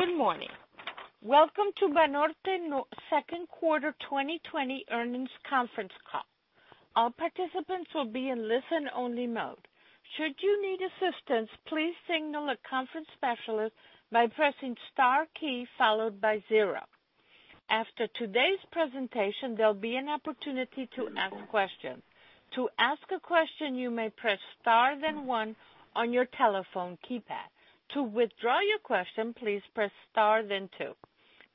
Good morning. Welcome to Banorte second quarter 2020 earnings conference call. All participants will be in listen-only mode. Should you need assistance, please signal a conference specialist by pressing star key followed by zero. After today's presentation, there'll be an opportunity to ask questions. To ask a question, you may press star then one on your telephone keypad. To withdraw your question, please press star then two.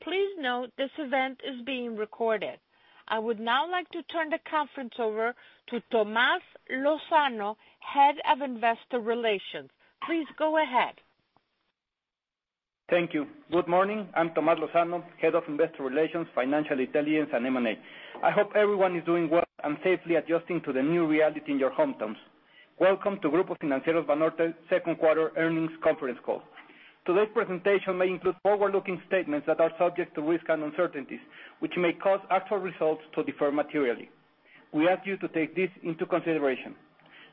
Please note this event is being recorded. I would now like to turn the conference over to Tomás Lozano, Head of Investor Relations. Please go ahead. Thank you. Good morning. I'm Tomás Lozano, Head of Investor Relations, financial intelligence, and M&A. I hope everyone is doing well and safely adjusting to the new reality in your hometowns. Welcome to Grupo Financiero Banorte second quarter earnings conference call. Today's presentation may include forward-looking statements that are subject to risks and uncertainties, which may cause actual results to differ materially. We ask you to take this into consideration.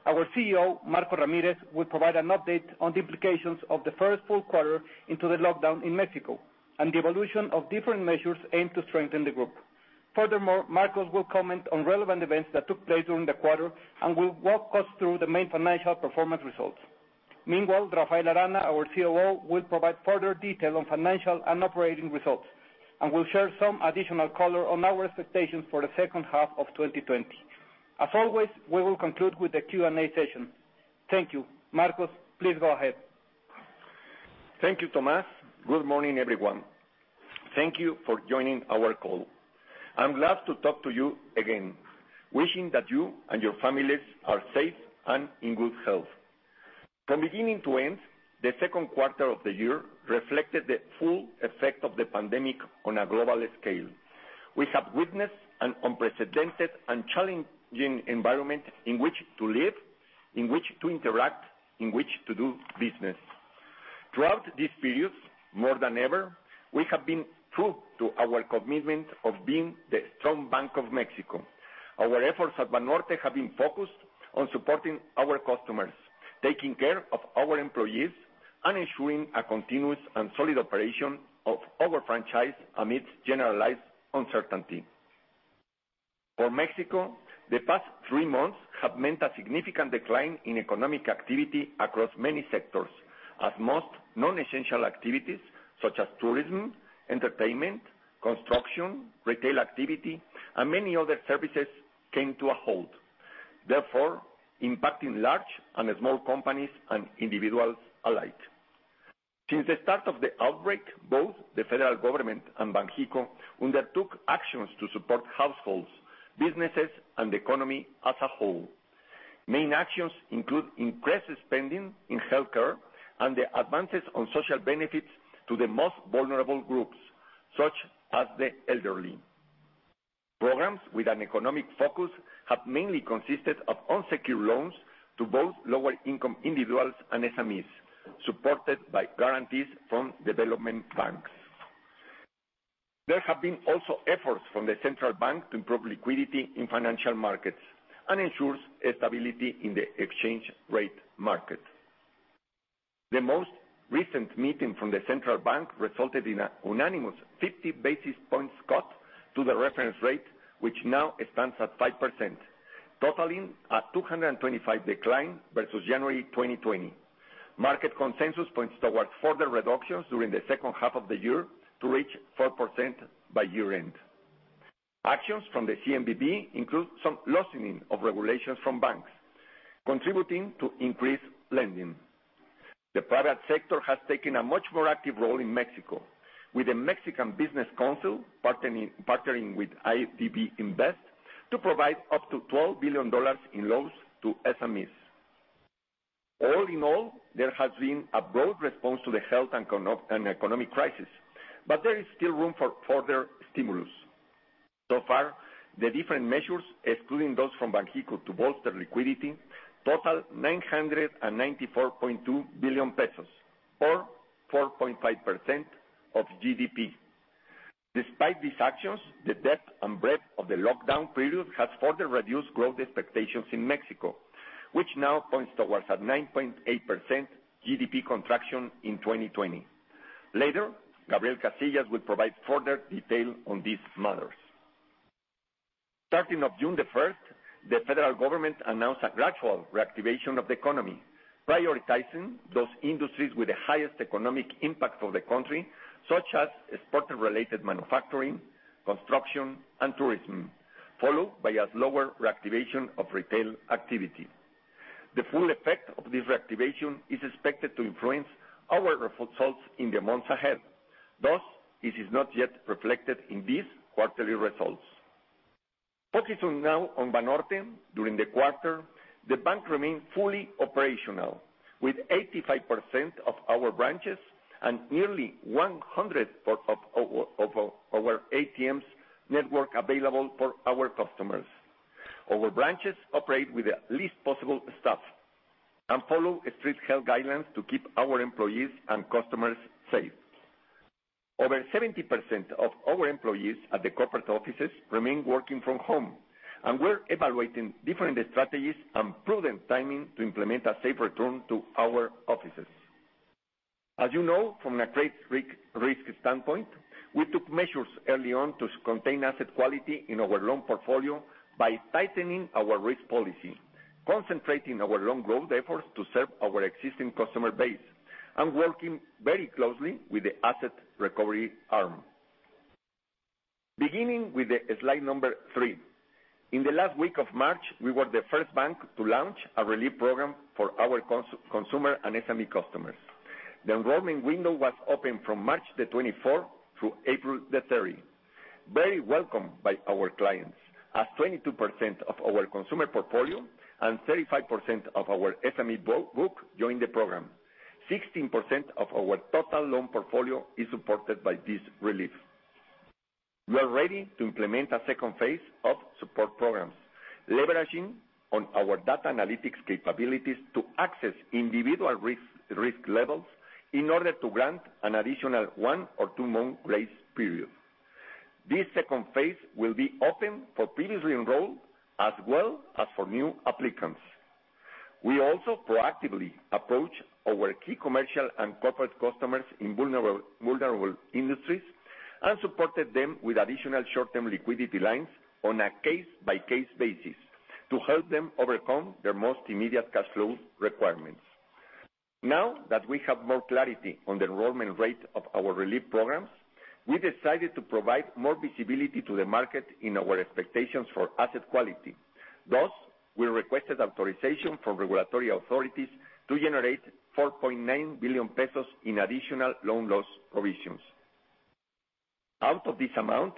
Our CEO, Marcos Ramírez, will provide an update on the implications of the first full quarter into the lockdown in Mexico and the evolution of different measures aimed to strengthen the group. Furthermore, Marcos will comment on relevant events that took place during the quarter and will walk us through the main financial performance results. Rafael Arana, our COO, will provide further detail on financial and operating results and will share some additional color on our expectations for the second half of 2020. As always, we will conclude with a Q&A session. Thank you. Marcos, please go ahead. Thank you, Tomás. Good morning, everyone. Thank you for joining our call. I'm glad to talk to you again, wishing that you and your families are safe and in good health. From beginning to end, the second quarter of the year reflected the full effect of the pandemic on a global scale. We have witnessed an unprecedented and challenging environment in which to live, in which to interact, in which to do business. Throughout this period, more than ever, we have been true to our commitment of being the strong bank of Mexico. Our efforts at Banorte have been focused on supporting our customers, taking care of our employees, and ensuring a continuous and solid operation of our franchise amidst generalized uncertainty. For Mexico, the past three months have meant a significant decline in economic activity across many sectors, as most non-essential activities such as tourism, entertainment, construction, retail activity, and many other services came to a halt, therefore impacting large and small companies and individuals alike. Since the start of the outbreak, both the federal government and Banxico undertook actions to support households, businesses, and the economy as a whole. Main actions include increased spending in healthcare and the advances on social benefits to the most vulnerable groups, such as the elderly. Programs with an economic focus have mainly consisted of unsecured loans to both lower-income individuals and SMEs, supported by guarantees from development banks. There have been also efforts from the central bank to improve liquidity in financial markets and ensure stability in the exchange rate market. The most recent meeting from the central bank resulted in a unanimous 50 basis points cut to the reference rate, which now stands at 5%, totaling a 225 decline versus January 2020. Market consensus points towards further reductions during the second half of the year to reach 4% by year-end. Actions from the CNBV include some loosening of regulations from banks, contributing to increased lending. The private sector has taken a much more active role in Mexico, with the Mexican Business Council partnering with IDB Invest to provide up to $12 billion in loans to SMEs. All in all, there has been a broad response to the health and economic crisis, but there is still room for further stimulus. The different measures, excluding those from Banxico to bolster liquidity, total 994.2 billion pesos, or 4.5% of GDP. Despite these actions, the depth and breadth of the lockdown period has further reduced growth expectations in Mexico, which now points towards a 9.8% GDP contraction in 2020. Later, Gabriel Casillas will provide further detail on these matters. Starting of June the 1st, the federal government announced a gradual reactivation of the economy, prioritizing those industries with the highest economic impact on the country, such as export-related manufacturing, construction, and tourism, followed by a slower reactivation of retail activity. The full effect of this reactivation is expected to influence our results in the months ahead. Thus, it is not yet reflected in these quarterly results. Focusing now on Banorte. During the quarter, the bank remained fully operational, with 85% of our branches and nearly 100% of our ATMs network available for our customers. Our branches operate with the least possible staff and follow strict health guidelines to keep our employees and customers safe. Over 70% of our employees at the corporate offices remain working from home, and we're evaluating different strategies and prudent timing to implement a safe return to our offices. As you know, from a credit risk standpoint, we took measures early on to contain asset quality in our loan portfolio by tightening our risk policy, concentrating our loan growth efforts to serve our existing customer base, and working very closely with the asset recovery arm. Beginning with the slide number three. In the last week of March, we were the first bank to launch a relief program for our consumer and SME customers. The enrollment window was open from March the 24th through April the 30th. Very welcome by our clients, as 22% of our consumer portfolio and 35% of our SME book joined the program. 16% of our total loan portfolio is supported by this relief. We are ready to implement a second phase of support programs, leveraging on our data analytics capabilities to access individual risk levels in order to grant an additional one or two-month grace period. This second phase will be open for previously enrolled as well as for new applicants. We also proactively approach our key commercial and corporate customers in vulnerable industries and supported them with additional short-term liquidity lines on a case-by-case basis to help them overcome their most immediate cash flow requirements. Now that we have more clarity on the enrollment rate of our relief programs, we decided to provide more visibility to the market in our expectations for asset quality. We requested authorization from regulatory authorities to generate 4.9 billion pesos in additional loan loss provisions. Out of this amount,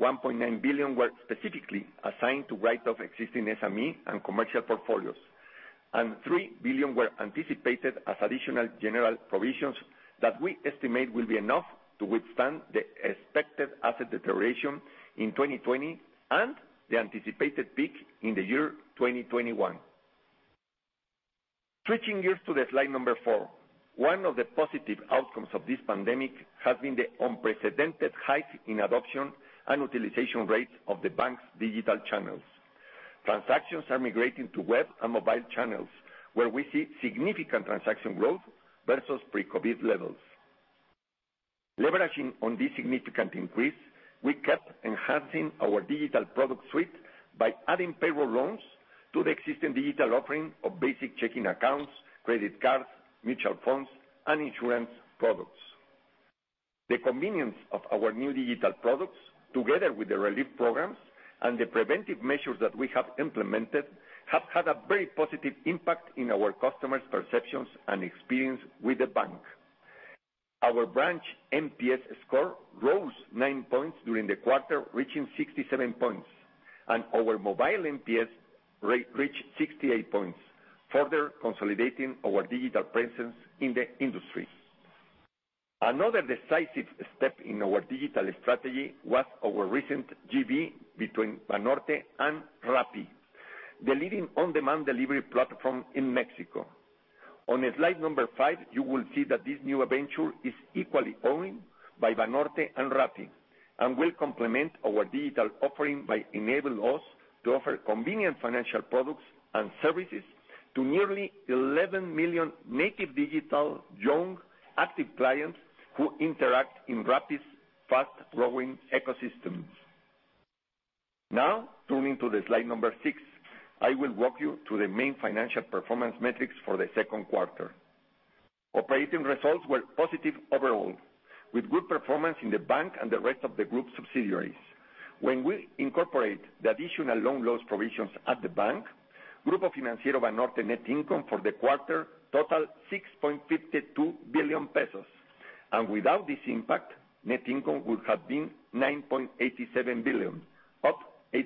1.9 billion were specifically assigned to write off existing SME and commercial portfolios, and 3 billion were anticipated as additional general provisions that we estimate will be enough to withstand the expected asset deterioration in 2020 and the anticipated peak in the year 2021. Switching gears to the slide number four. One of the positive outcomes of this pandemic has been the unprecedented hike in adoption and utilization rates of the bank's digital channels. Transactions are migrating to web and mobile channels, where we see significant transaction growth versus pre-COVID levels. Leveraging on this significant increase, we kept enhancing our digital product suite by adding payroll loans to the existing digital offering of basic checking accounts, credit cards, mutual funds, and insurance products. The convenience of our new digital products, together with the relief programs and the preventive measures that we have implemented, have had a very positive impact in our customers' perceptions and experience with the bank. Our branch NPS score rose nine points during the quarter, reaching 67 points, and our mobile NPS reached 68 points, further consolidating our digital presence in the industry. Another decisive step in our digital strategy was our recent JV between Banorte and Rappi, the leading on-demand delivery platform in Mexico. On slide number five, you will see that this new venture is equally owned by Banorte and Rappi and will complement our digital offering by enabling us to offer convenient financial products and services to nearly 11 million native digital, young, active clients who interact in Rappi's fast-growing ecosystems. Now, turning to slide six, I will walk you through the main financial performance metrics for the second quarter. Operating results were positive overall, with good performance in the bank and the rest of the group subsidiaries. When we incorporate the additional loan loss provisions at the bank, Grupo Financiero Banorte net income for the quarter totaled 6.52 billion pesos, and without this impact, net income would have been 9.87 billion, up 8%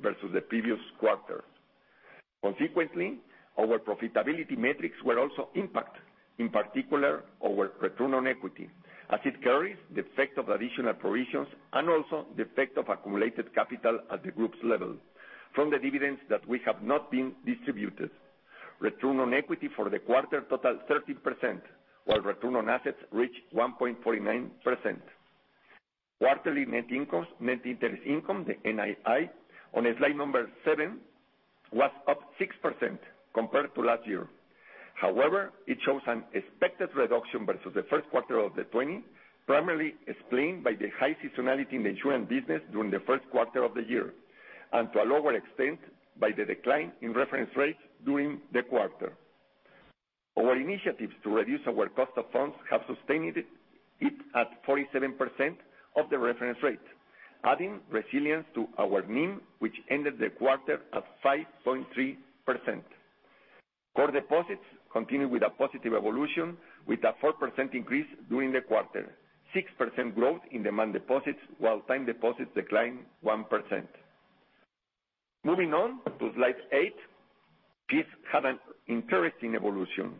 versus the previous quarter. Our profitability metrics were also impacted, in particular our return on equity, as it carries the effect of additional provisions and also the effect of accumulated capital at the group's level from the dividends that we have not been distributed. Return on equity for the quarter totaled 13%, while return on assets reached 1.49%. Quarterly Net Interest Income, the NII, on slide number seven, was up 6% compared to last year. It shows an expected reduction versus the first quarter of 2020, primarily explained by the high seasonality in the insurance business during the first quarter of the year, and to a lower extent, by the decline in reference rates during the quarter. Our initiatives to reduce our cost of funds have sustained it at 47% of the reference rate, adding resilience to our NIM, which ended the quarter at 5.3%. Core deposits continue with a positive evolution with a 4% increase during the quarter, 6% growth in demand deposits, while time deposits declined 1%. Moving on to slide eight. Fees had an interesting evolution.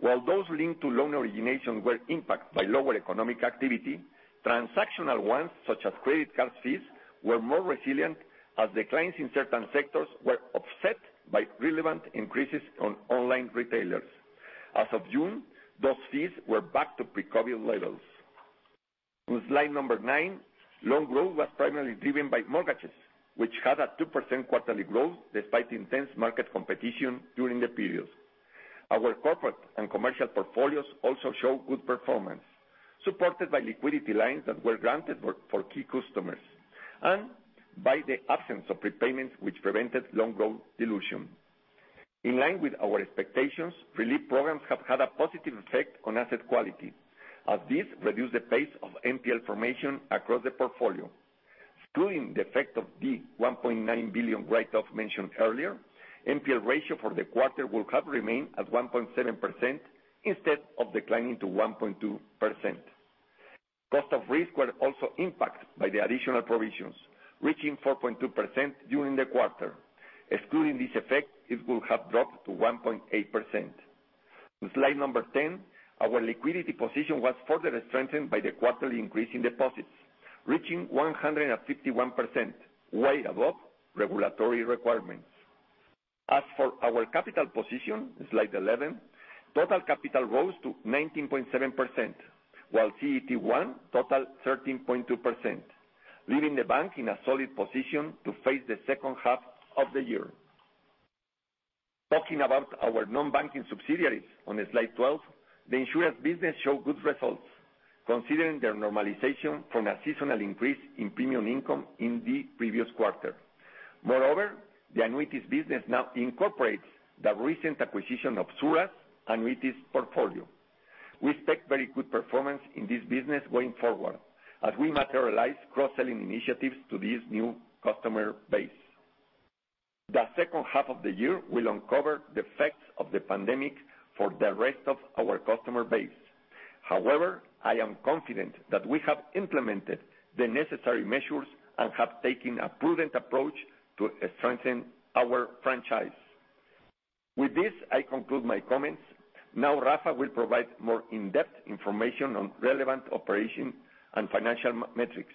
While those linked to loan origination were impacted by lower economic activity, transactional ones, such as credit card fees, were more resilient as declines in certain sectors were offset by relevant increases on online retailers. As of June, those fees were back to pre-COVID levels. On slide number nine, loan growth was primarily driven by mortgages, which had a 2% quarterly growth despite intense market competition during the period. Our corporate and commercial portfolios also show good performance, supported by liquidity lines that were granted for key customers, and by the absence of prepayments, which prevented loan growth dilution. In line with our expectations, relief programs have had a positive effect on asset quality, as this reduced the pace of NPL formation across the portfolio. Excluding the effect of the 1.9 billion write-off mentioned earlier, NPL ratio for the quarter will have remained at 1.7% instead of declining to 1.2%. Cost of risk were also impacted by the additional provisions, reaching 4.2% during the quarter. Excluding this effect, it will have dropped to 1.8%. On slide number 10, our liquidity position was further strengthened by the quarterly increase in deposits, reaching 151%, way above regulatory requirements. As for our capital position, slide 11, total capital rose to 19.7%, while CET1 total 13.2%, leaving the bank in a solid position to face the second half of the year. Talking about our non-banking subsidiaries on slide 12, the insurance business show good results, considering their normalization from a seasonal increase in premium income in the previous quarter. Moreover, the annuities business now incorporates the recent acquisition of SURA's annuities portfolio. We expect very good performance in this business going forward, as we materialize cross-selling initiatives to this new customer base. The second half of the year will uncover the effects of the pandemic for the rest of our customer base. I am confident that we have implemented the necessary measures and have taken a prudent approach to strengthen our franchise. With this, I conclude my comments. Now, Rafa will provide more in-depth information on relevant operation and financial metrics,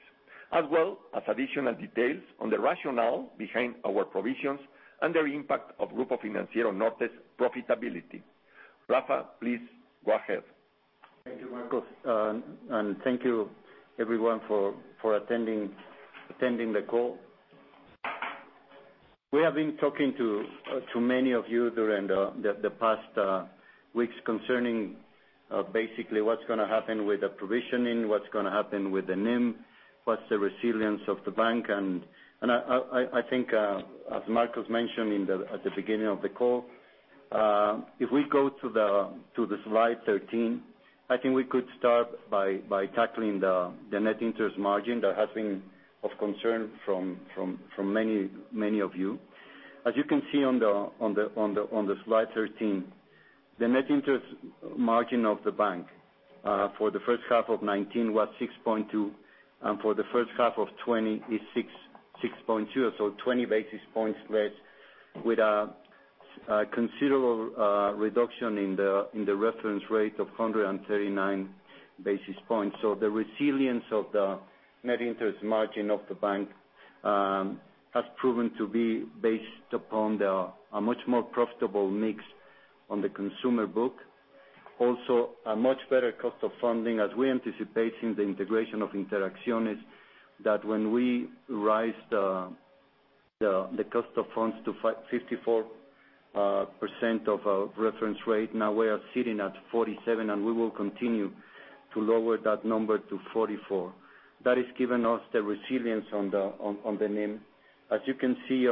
as well as additional details on the rationale behind our provisions and their impact of Grupo Financiero Banorte's profitability. Rafa, please go ahead. Thank you, Marcos. Thank you everyone for attending the call. We have been talking to many of you during the past weeks concerning basically what's going to happen with the provisioning, what's going to happen with the NIM, what's the resilience of the bank. I think, as Marcos mentioned at the beginning of the call, if we go to slide 13, I think we could start by tackling the net interest margin that has been of concern from many of you. As you can see on slide 13, the net interest margin of the bank for the first half of 2019 was 6.2%, and for the first half of 2020 is 6.2%, 20 basis points less with a considerable reduction in the reference rate of 139 basis points. The resilience of the net interest margin of the bank has proven to be based upon a much more profitable mix on the consumer book. A much better cost of funding as we anticipate the integration of Interacciones, that when we raise the cost of funds to 54% of our reference rate. We are sitting at 47%, and we will continue to lower that number to 44%. That has given us the resilience on the NIM. As you can see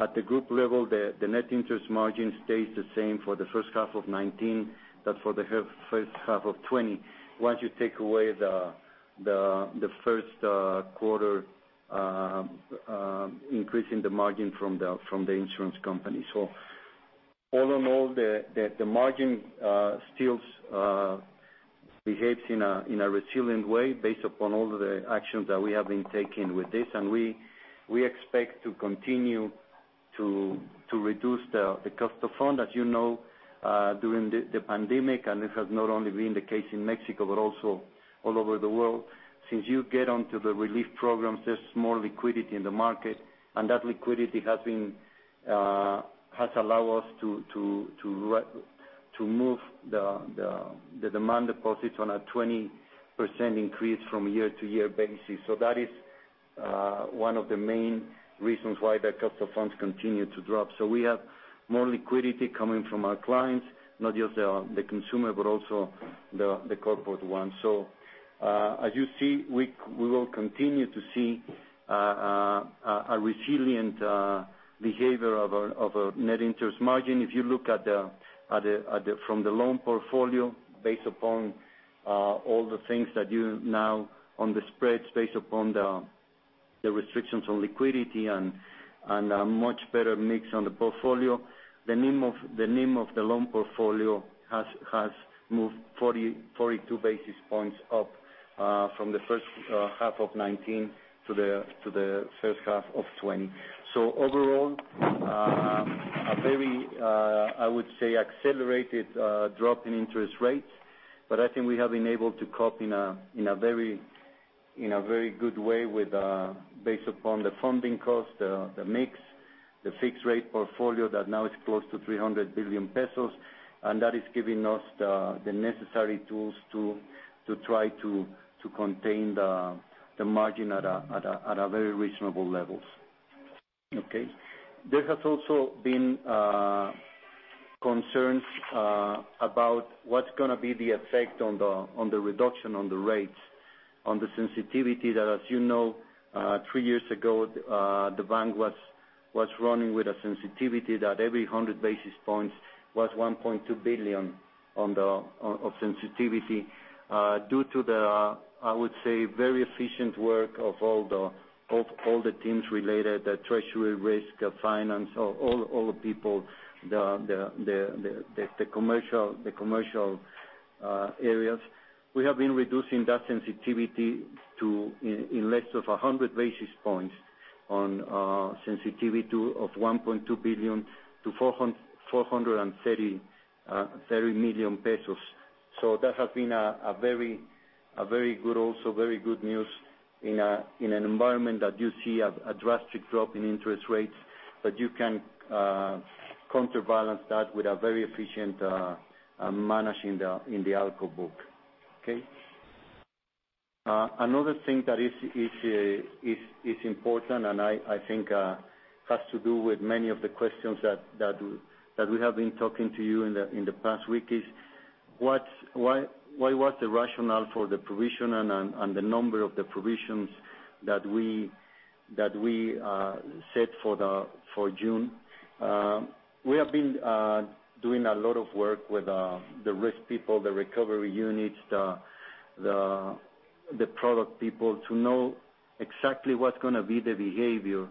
at the group level, the net interest margin stays the same for the first half of 2019, but for the first half of 2020, once you take away the first quarter increase in the margin from the insurance company. All in all, the margin still behaves in a resilient way based upon all of the actions that we have been taking with this, and we expect to continue to reduce the cost of funds. As you know, during the pandemic, and this has not only been the case in Mexico but also all over the world, since you get onto the relief programs, there's more liquidity in the market, and that liquidity has allowed us to move the demand deposits on a 20% increase from year-to-year basis. That is one of the main reasons why the cost of funds continue to drop. We have more liquidity coming from our clients, not just the consumer, but also the corporate ones. As you see, we will continue to see a resilient behavior of our net interest margin. If you look from the loan portfolio, based upon all the things that you now on the spreads, based upon the restrictions on liquidity and a much better mix on the portfolio, the NIM of the loan portfolio has moved 42 basis points up from the first half of 2019 to the first half of 2020. Overall, a very, I would say, accelerated drop in interest rates, but I think we have been able to cope in a very good way based upon the funding cost, the mix, the fixed rate portfolio that now is close to 300 billion pesos, and that is giving us the necessary tools to try to contain the margin at a very reasonable level. Okay? There has also been concerns about what is going to be the effect on the reduction on the rates, on the sensitivity that, as you know three years ago, the bank was running with a sensitivity that every 100 basis points was 1.2 billion of sensitivity. Due to the, I would say, very efficient work of all the teams related, the treasury risk, finance, all the people, the commercial areas, we have been reducing that sensitivity in less than 100 basis points on sensitivity of 1.2 billion to 430 million pesos. That has been also very good news in an environment that you see a drastic drop in interest rates, that you can counterbalance that with a very efficient managing in the ALCO book. Okay. Another thing that is important, and I think has to do with many of the questions that we have been talking to you in the past week, is what was the rationale for the provision and the number of the provisions that we set for June? We have been doing a lot of work with the risk people, the recovery units, the product people, to know exactly what's going to be the behavior,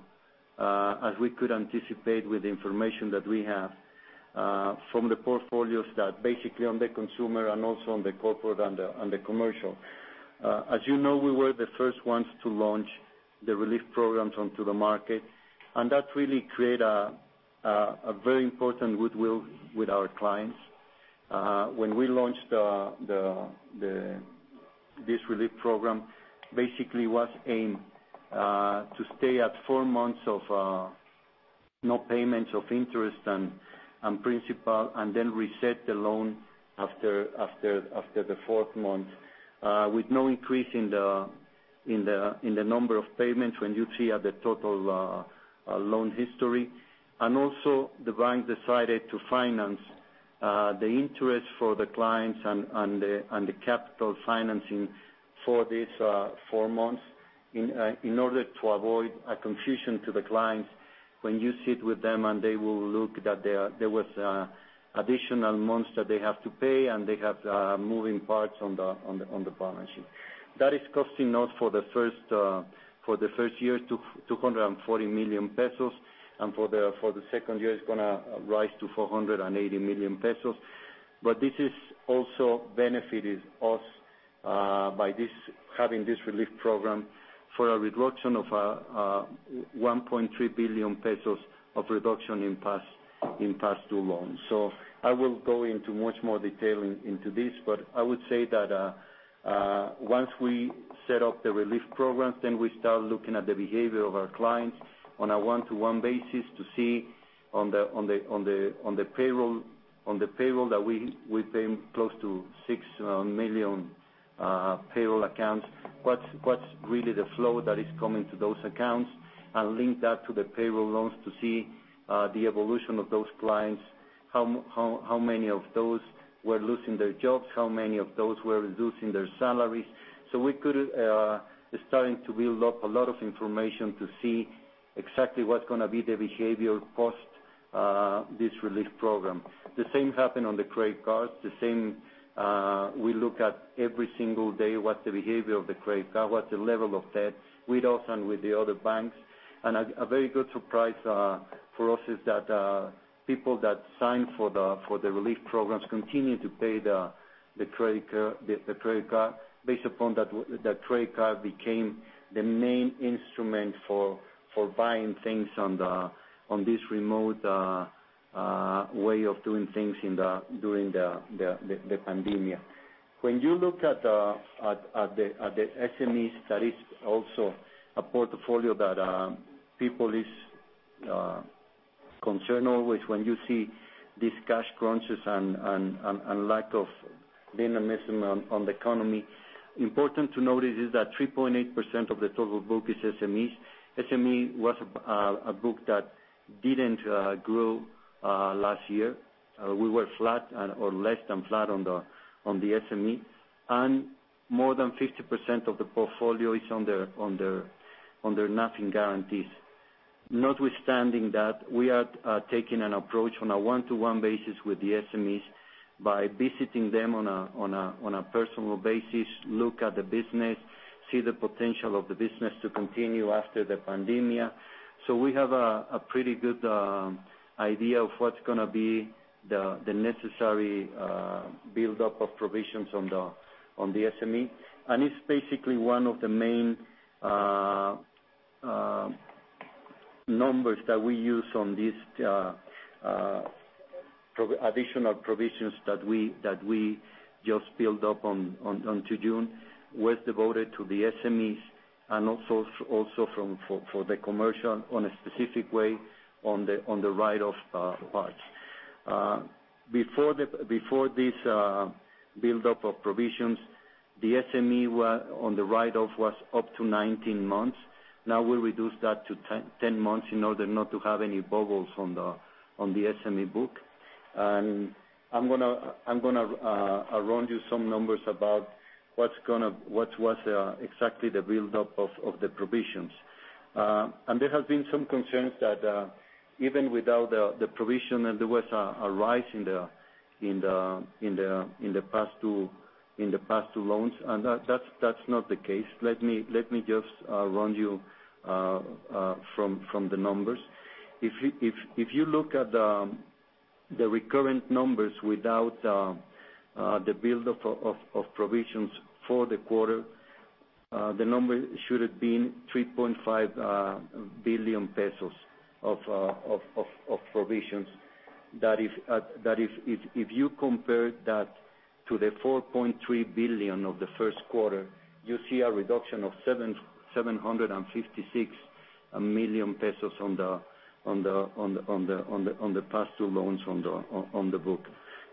as we could anticipate with the information that we have from the portfolios that basically on the consumer and also on the corporate and the commercial. As you know, we were the first ones to launch the relief programs onto the market, and that really create a very important goodwill with our clients. When we launched this relief program, basically was aimed to stay at four months of no payments of interest and principal, and then reset the loan after the fourth month, with no increase in the number of payments when you see at the total loan history. Also, the bank decided to finance the interest for the clients and the capital financing for these four months in order to avoid a confusion to the clients when you sit with them and they will look that there was additional months that they have to pay, and they have moving parts on the balance sheet. That is costing us for the first year, 240 million pesos, and for the second year, it's going to rise to 480 million pesos. This has also benefited us by having this relief program for a reduction of 1.3 billion pesos of reduction in past-due loans. I will go into much more detail into this, but I would say that once we set up the relief programs, then we start looking at the behavior of our clients on a one-to-one basis to see on the payroll that we pay close to 6 million payroll accounts, what's really the flow that is coming to those accounts, and link that to the payroll loans to see the evolution of those clients, how many of those were losing their jobs, how many of those were reducing their salaries. We could starting to build up a lot of information to see exactly what's going to be the behavior post this relief program. The same happened on the credit cards. We look at every single day what's the behavior of the credit card, what's the level of debt, with us and with the other banks. A very good surprise for us is that people that signed for the relief programs continue to pay the credit card based upon that credit card became the main instrument for buying things on this remote way of doing things during the pandemia. When you look at the SMEs, that is also a portfolio that people is concerned always when you see these cash crunches and lack of dynamism on the economy. Important to notice is that 3.8% of the total book is SMEs. SME was a book that didn't grow last year. We were flat or less than flat on the SME, and more than 50% of the portfolio is under NAFIN guarantees. Notwithstanding that, we are taking an approach on a one-to-one basis with the SMEs by visiting them on a personal basis, look at the business, see the potential of the business to continue after the pandemia. We have a pretty good idea of what's going to be the necessary buildup of provisions on the SME, and it's basically one of the main numbers that we use on these additional provisions that we just built up on to June was devoted to the SMEs, and also for the commercial on a specific way on the write-off parts. Before this buildup of provisions, the SME on the write-off was up to 19 months. Now we reduced that to 10 months in order not to have any bubbles on the SME book. I'm going to run you some numbers about what's exactly the buildup of the provisions. There have been some concerns that even without the provision, there was a rise in the past due loans, and that's not the case. Let me just run you from the numbers. If you look at the recurrent numbers without the buildup of provisions for the quarter, the number should've been 3.5 billion pesos of provisions. That if you compare that to the 4.3 billion of the first quarter, you see a reduction of 756 million pesos on the past due loans on the book.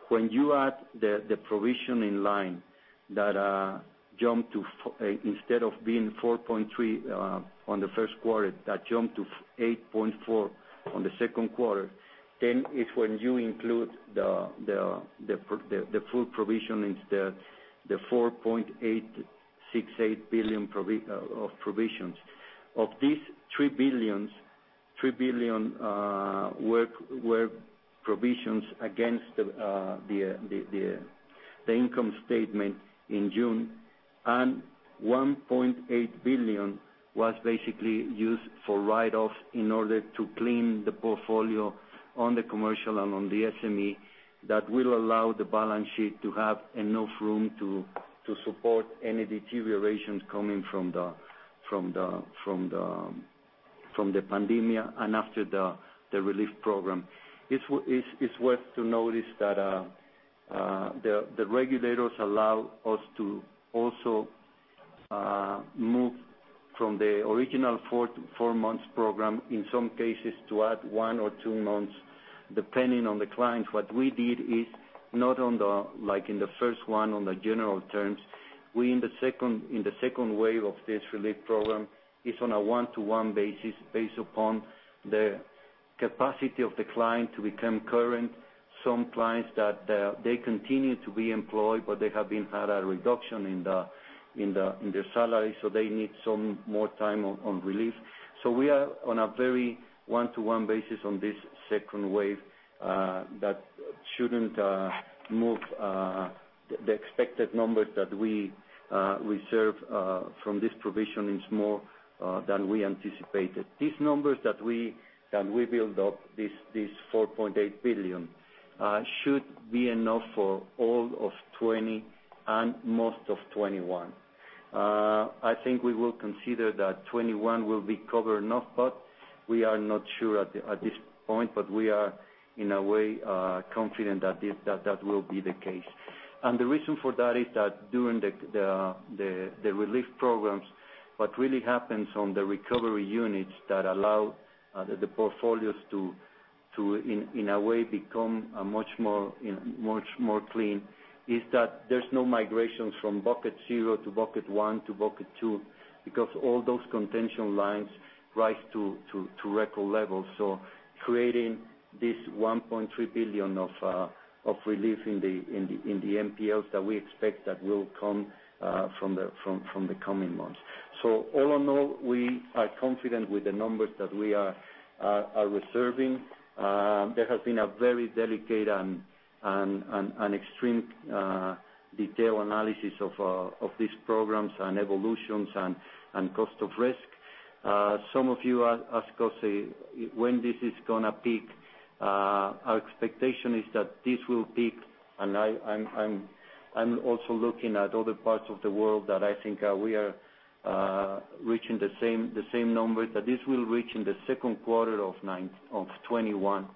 When you add the provision in line, instead of being 4.3 billion on the first quarter, that jumped to 8.4 billion on the second quarter, then it's when you include the full provision, it's the 4.868 billion of provisions. Of these 3 billion, 3 billion were provisions against the income statement in June, and 1.8 billion was basically used for write-offs in order to clean the portfolio on the commercial and on the SME. That will allow the balance sheet to have enough room to support any deteriorations coming from the pandemia and after the relief program. It's worth to notice that the regulators allow us to also move from the original four months program, in some cases, to add one or two months, depending on the client. What we did is not like in the first one, on the general terms. We, in the second wave of this relief program, it's on a one-to-one basis based upon the capacity of the client to become current. Some clients, they continue to be employed, but they have had a reduction in their salary, so they need some more time on relief. We are on a very one-to-one basis on this second wave, that shouldn't move the expected numbers that we reserve from this provision is more than we anticipated. These numbers that we build up, this 4.8 billion, should be enough for all of 2020 and most of 2021. I think we will consider that 2021 will be covered enough, but we are not sure at this point, but we are, in a way, confident that will be the case. The reason for that is that during the relief programs, what really happens on the recovery units that allow the portfolios to, in a way, become much more clean, is that there's no migrations from Bucket 0 to Bucket 1 to Bucket 2, because all those contention lines rise to record levels. Creating this 1.3 billion of relief in the NPLs that we expect that will come from the coming months. All in all, we are confident with the numbers that we are reserving. There has been a very delicate and extreme detailed analysis of these programs, and evolutions, and cost of risk. Some of you ask us when this is going to peak? Our expectation is that this will peak. I'm also looking at other parts of the world that I think we are reaching the same numbers, that this will reach in the second quarter of 2021,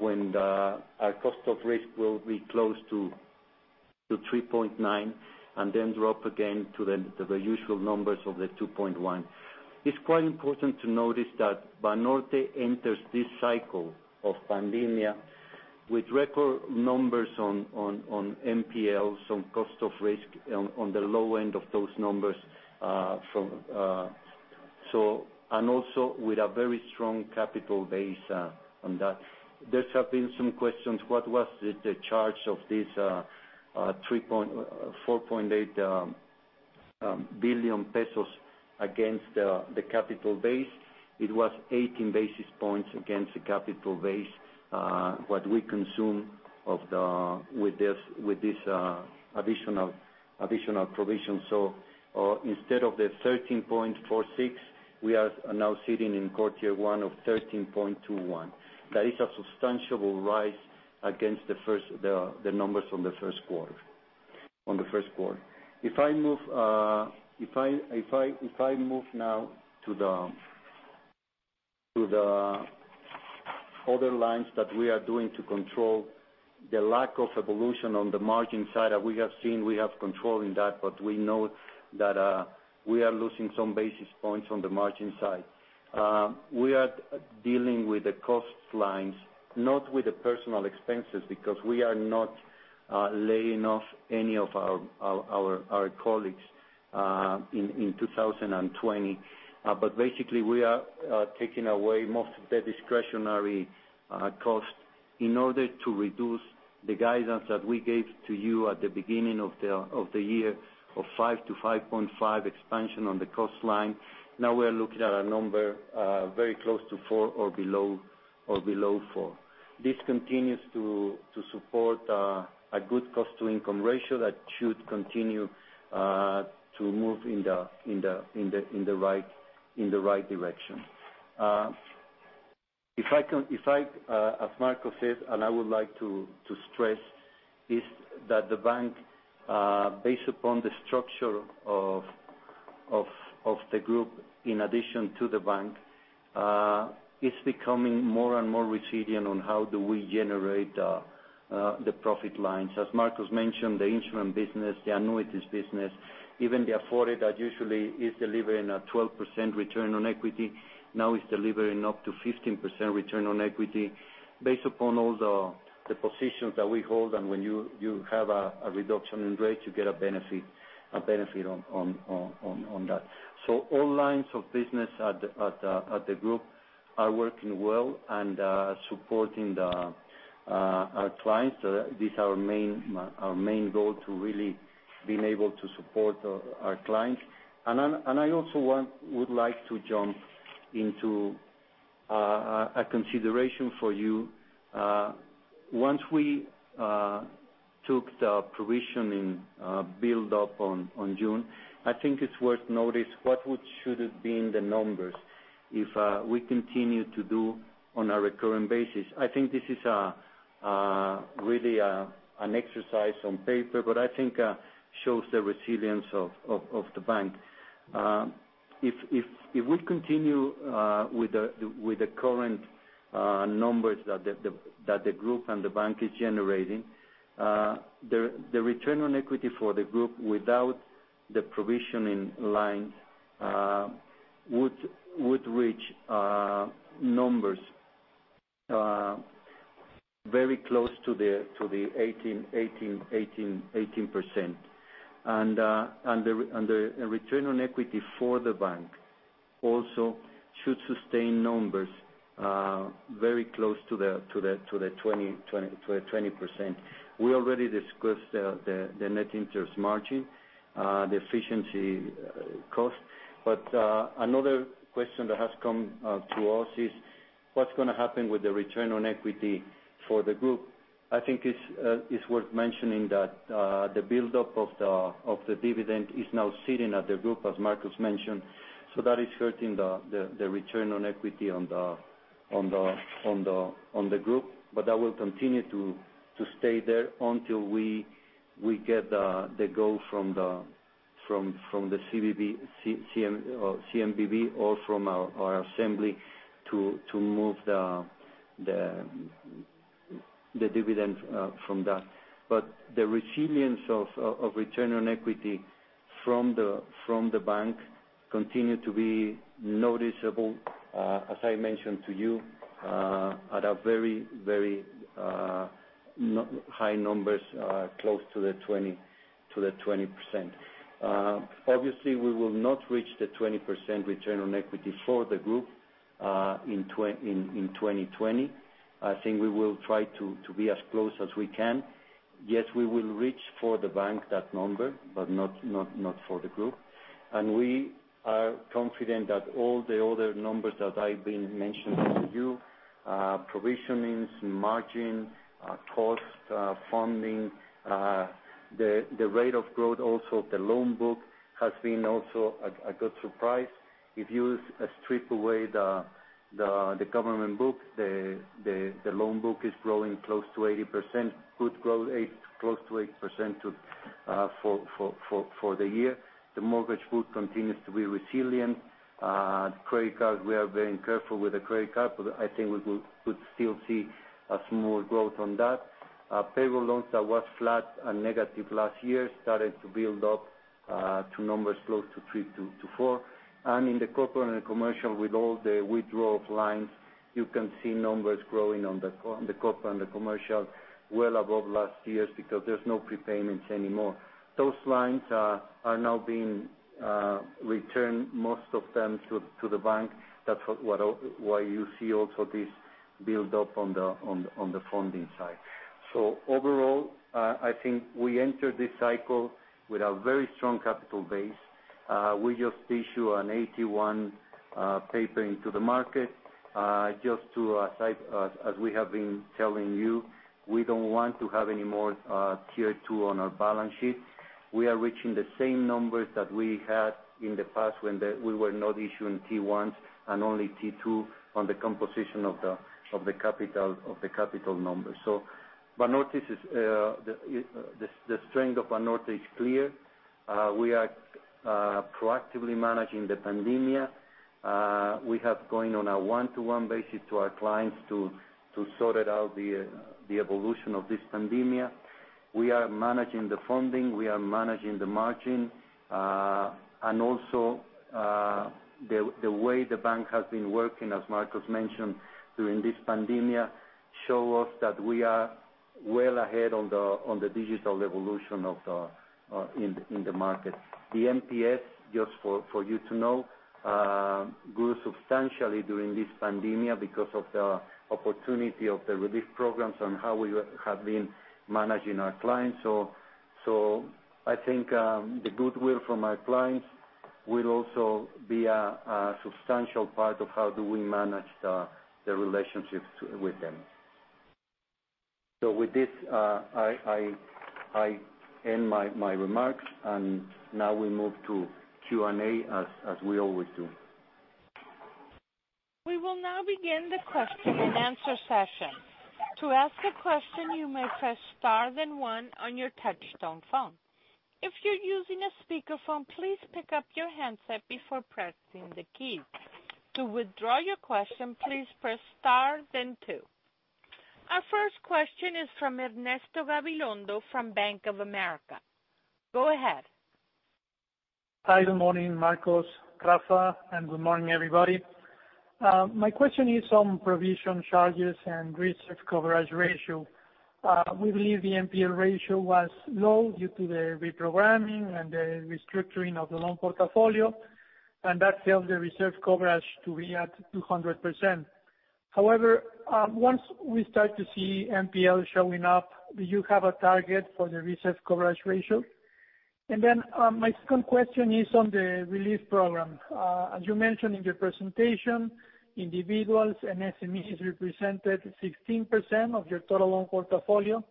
when our cost of risk will be close to 3.9%, and then drop again to the usual numbers of the 2.1%. It's quite important to notice that Banorte enters this cycle of pandemia with record numbers on NPLs, on cost of risk, on the low end of those numbers. Also with a very strong capital base on that. There have been some questions, what was the charge of this 4.8 billion pesos against the capital base? It was 18 basis points against the capital base, what we consume with this additional provision. Instead of the 13.46%, we are now sitting in quarter one of 13.21%. That is a substantial rise against the numbers from the first quarter. The first quarter. If I move now to the other lines that we are doing to control the lack of evolution on the margin side, we have seen control in that, but we know that we are losing some basis points on the margin side. We are dealing with the cost lines, not with the personal expenses because we are not laying off any of our colleagues in 2020. Basically, we are taking away most of the discretionary costs in order to reduce the guidance that we gave to you at the beginning of the year of 5%-5.5% expansion on the cost line. Now we are looking at a number very close to 4% or below 4%. This continues to support a good cost-to-income ratio that should continue to move in the right direction. As Marcos said, and I would like to stress, is that the bank, based upon the structure of the group, in addition to the bank, is becoming more and more resilient on how do we generate the profit lines. As Marcos mentioned, the insurance business, the annuities business, even the Afore that usually is delivering a 12% return on equity, now is delivering up to 15% return on equity. Based upon all the positions that we hold, and when you have a reduction in rates, you get a benefit on that. All lines of business at the group are working well and supporting our clients. This is our main goal to really being able to support our clients. I also would like to jump into a consideration for you. Once we took the provisioning build-up on June, I think it's worth notice what should have been the numbers if we continue to do on a recurring basis. I think this is really an exercise on paper, but I think shows the resilience of the bank. If we continue with the current numbers that the group and the bank is generating, the return on equity for the group without the provisioning lines would reach numbers very close to the 18%. The return on equity for the bank also should sustain numbers very close to the 20%. We already discussed the net interest margin, the efficiency cost. Another question that has come to us is what's going to happen with the return on equity for the group? I think it's worth mentioning that the build-up of the dividend is now sitting at the group, as Marcos mentioned. That is hurting the return on equity on the group. That will continue to stay there until we get the go from the CNBV or from our assembly to move the dividend from that. The resilience of return on equity from the bank continue to be noticeable, as I mentioned to you, at a very, very high numbers close to the 20%. We will not reach the 20% return on equity for the group in 2020. I think we will try to be as close as we can. Yes, we will reach for the bank that number, but not for the group. We are confident that all the other numbers that I've been mentioning to you, provisionings, margin, cost, funding, the rate of growth, also the loan book, has been also a good surprise. If you strip away the government book, the loan book is growing close to 8%, could grow close to 8% for the year. The mortgage book continues to be resilient. Credit card, we are being careful with the credit card, but I think we could still see a small growth on that. Payroll loans that was flat and negative last year started to build up to numbers close to 3%-4%. In the corporate and commercial, with all the withdrawal of lines, you can see numbers growing on the corporate and the commercial well above last year's because there's no prepayments anymore. Those lines are now being returned, most of them, to the bank. That's why you see also this build-up on the funding side. Overall, I think we entered this cycle with a very strong capital base. We just issue an AT1 paper into the market. Just to aside, as we have been telling you, we don't want to have any more Tier 2 on our balance sheet. We are reaching the same numbers that we had in the past when we were not issuing T1s and only T2 on the composition of the capital numbers. The strength of Banorte is clear. We are proactively managing the pandemia. We have going on a one-to-one basis to our clients to sort out the evolution of this pandemia. We are managing the funding, we are managing the margin, and also the way the bank has been working, as Marcos mentioned, during this pandemia, show us that we are well ahead on the digital evolution in the market. The NPS, just for you to know, grew substantially during this pandemia because of the opportunity of the relief programs and how we have been managing our clients. I think the goodwill from our clients will also be a substantial part of how do we manage the relationships with them. With this, I end my remarks, and now we move to Q&A as we always do. We will now begin the question and answer session. To ask a question, you may press star, then one on your touchtone phone. If you're using a speakerphone, please pick up your handset before pressing the key. To withdraw your question, please press star, then two. Our first question is from Ernesto Gabilondo from Bank of America. Go ahead. Hi, good morning, Marcos, Rafa, and good morning, everybody. My question is on provision charges and reserve coverage ratio. We believe the NPL ratio was low due to the reprogramming and the restructuring of the loan portfolio, and that helped the reserve coverage to be at 200%. Once we start to see NPL showing up, do you have a target for the reserve coverage ratio? My second question is on the relief program. As you mentioned in your presentation, individuals and SMEs represented 16% of your total loan portfolio.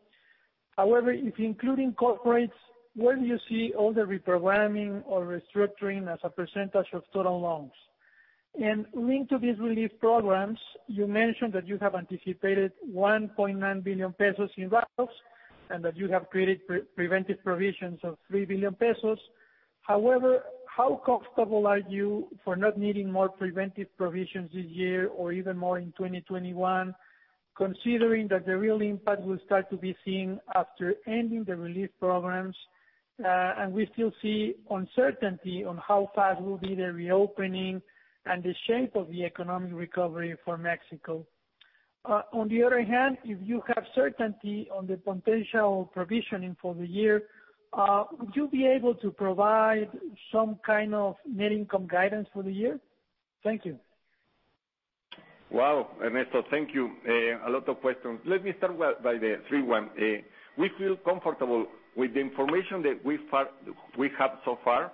If including corporates, where do you see all the reprogramming or restructuring as a percentage of total loans? Linked to these relief programs, you mentioned that you have anticipated 1.9 billion pesos in write-offs and that you have created preventive provisions of 3 billion pesos. However, how comfortable are you for not needing more preventive provisions this year or even more in 2021, considering that the real impact will start to be seen after ending the relief programs, and we still see uncertainty on how fast will be the reopening and the shape of the economic recovery for Mexico? On the other hand, if you have certainty on the potential provisioning for the year, would you be able to provide some kind of net income guidance for the year? Thank you. Wow, Ernesto, thank you. A lot of questions. Let me start by the three one. We feel comfortable with the information that we have so far.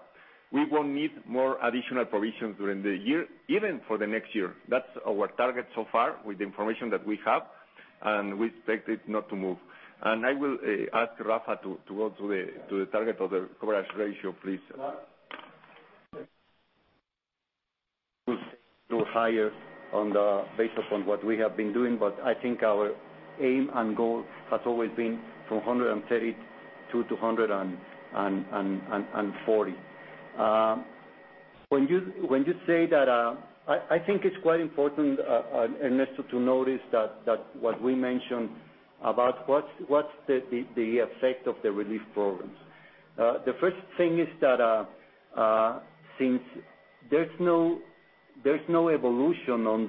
We won't need more additional provisions during the year, even for the next year. That's our target so far with the information that we have, and we expect it not to move. I will ask Rafa to go to the target of the coverage ratio, please. Higher based upon what we have been doing. I think our aim and goal has always been from 130 to 240. I think it's quite important, Ernesto, to notice that what we mentioned about what's the effect of the relief programs. The first thing is that since there's no evolution on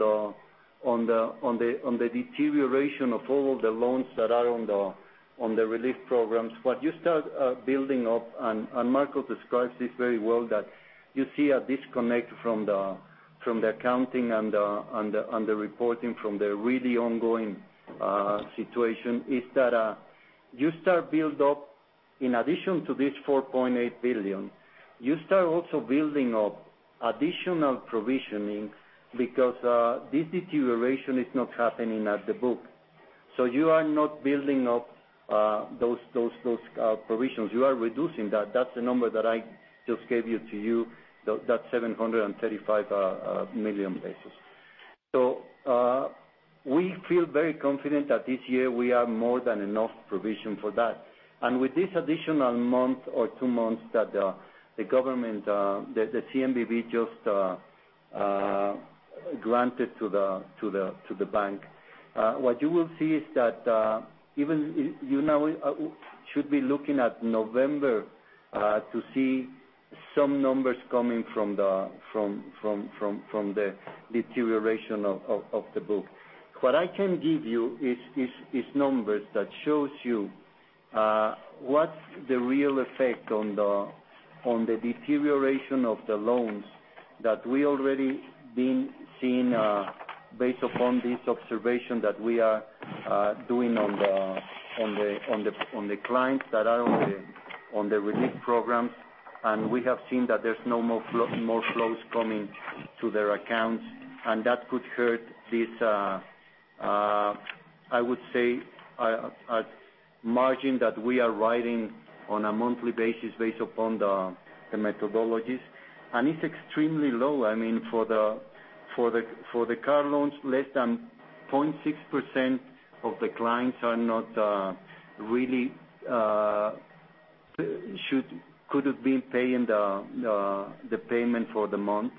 the deterioration of all the loans that are on the relief programs, what you start building up, and Marcos describes this very well, that you see a disconnect from the accounting and the reporting from the really ongoing situation, is that you start build up in addition to this 4.8 billion, you start also building up additional provisioning because this deterioration is not happening at the book. You are not building up those provisions. You are reducing that. That's the number that I just gave to you, that 735 million basis. We feel very confident that this year we have more than enough provision for that. With this additional month or two months that the government, the CNBV just granted to the bank, what you will see is that even you now should be looking at November to see some numbers coming from the deterioration of the book. What I can give you is numbers that shows you what's the real effect on the deterioration of the loans that we already been seeing based upon this observation that we are doing on the clients that are on the relief programs. We have seen that there's no more flows coming to their accounts, and that could hurt this, I would say, a margin that we are riding on a monthly basis based upon The methodologies. It's extremely low. For the car loans, less than 0.6% of the clients could've been paying the payment for the month.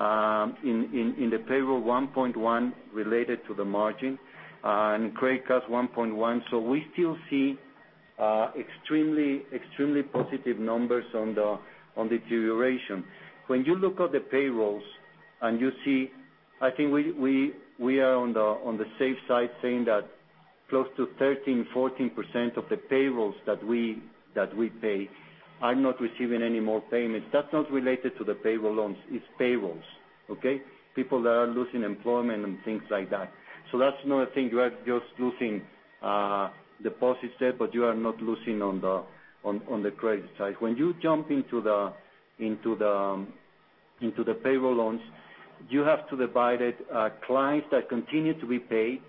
In the payroll, 1.1% related to the margin, and credit cards, 1.1%. We still see extremely positive numbers on the deterioration. When you look at the payrolls and you see, I think we are on the safe side saying that close to 13%, 14% of the payrolls that we pay are not receiving any more payments. That's not related to the payroll loans, it's payrolls, okay? People that are losing employment and things like that. That's another thing, you are just losing deposit step, but you are not losing on the credit side. When you jump into the payroll loans, you have to divide it, clients that continue to be paid,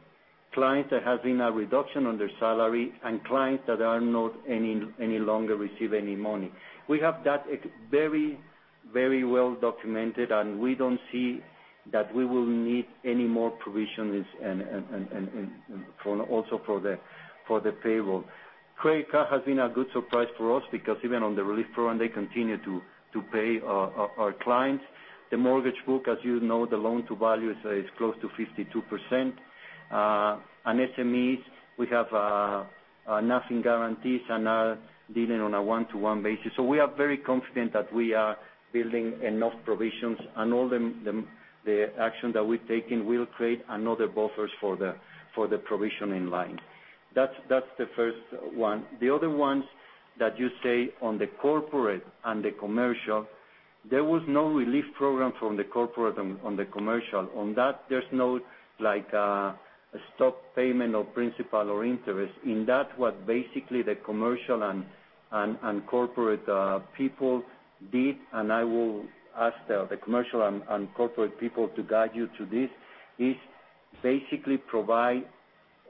clients that have seen a reduction on their salary, and clients that are not any longer receive any money. We have that very well documented, and we don't see that we will need any more provisions and also for the payroll. Credit card has been a good surprise for us because even on the relief front, they continue to pay our clients. The mortgage book, as you know, the loan-to-value is close to 52%. SMEs, we have NAFIN guarantees and are dealing on a one-to-one basis. We are very confident that we are building enough provisions and all the action that we're taking will create other buffers for the provisioning line. That's the first one. The other ones that you say on the corporate and the commercial, there was no relief program from the corporate on the commercial. On that, there's no stock payment or principal or interest. In that, what basically the commercial and corporate people did, and I will ask the commercial and corporate people to guide you to this, is basically provide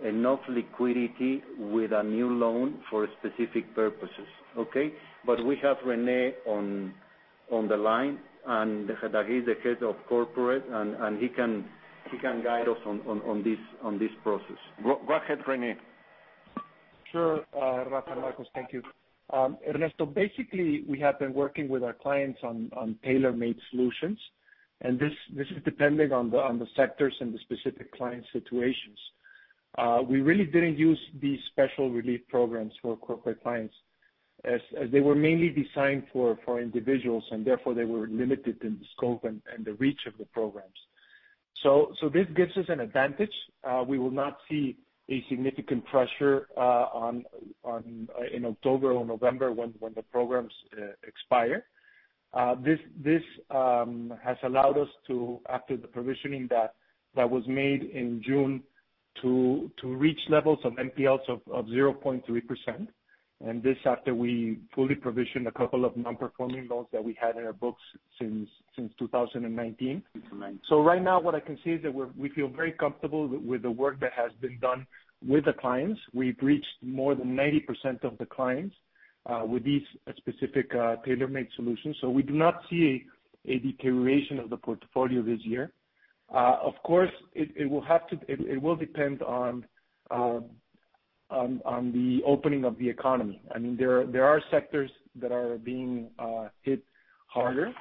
enough liquidity with a new loan for specific purposes. Okay? We have René on the line, and that he's the head of corporate, and he can guide us on this process. Go ahead, René. Sure. Rafa and Marcos, thank you. Ernesto, basically, we have been working with our clients on tailor-made solutions. This is dependent on the sectors and the specific client situations. We really didn't use these special relief programs for corporate clients, as they were mainly designed for individuals, and therefore they were limited in the scope and the reach of the programs. This gives us an advantage. We will not see a significant pressure in October or November when the programs expire. This has allowed us to, after the provisioning that was made in June, to reach levels of NPLs of 0.3%. This after we fully provisioned a couple of non-performing loans that we had in our books since 2019. Since 2019. Right now, what I can say is that we feel very comfortable with the work that has been done with the clients. We've reached more than 90% of the clients, with these specific tailor-made solutions. We do not see a deterioration of the portfolio this year. Of course, it will depend on the opening of the economy. There are sectors that are being hit harder.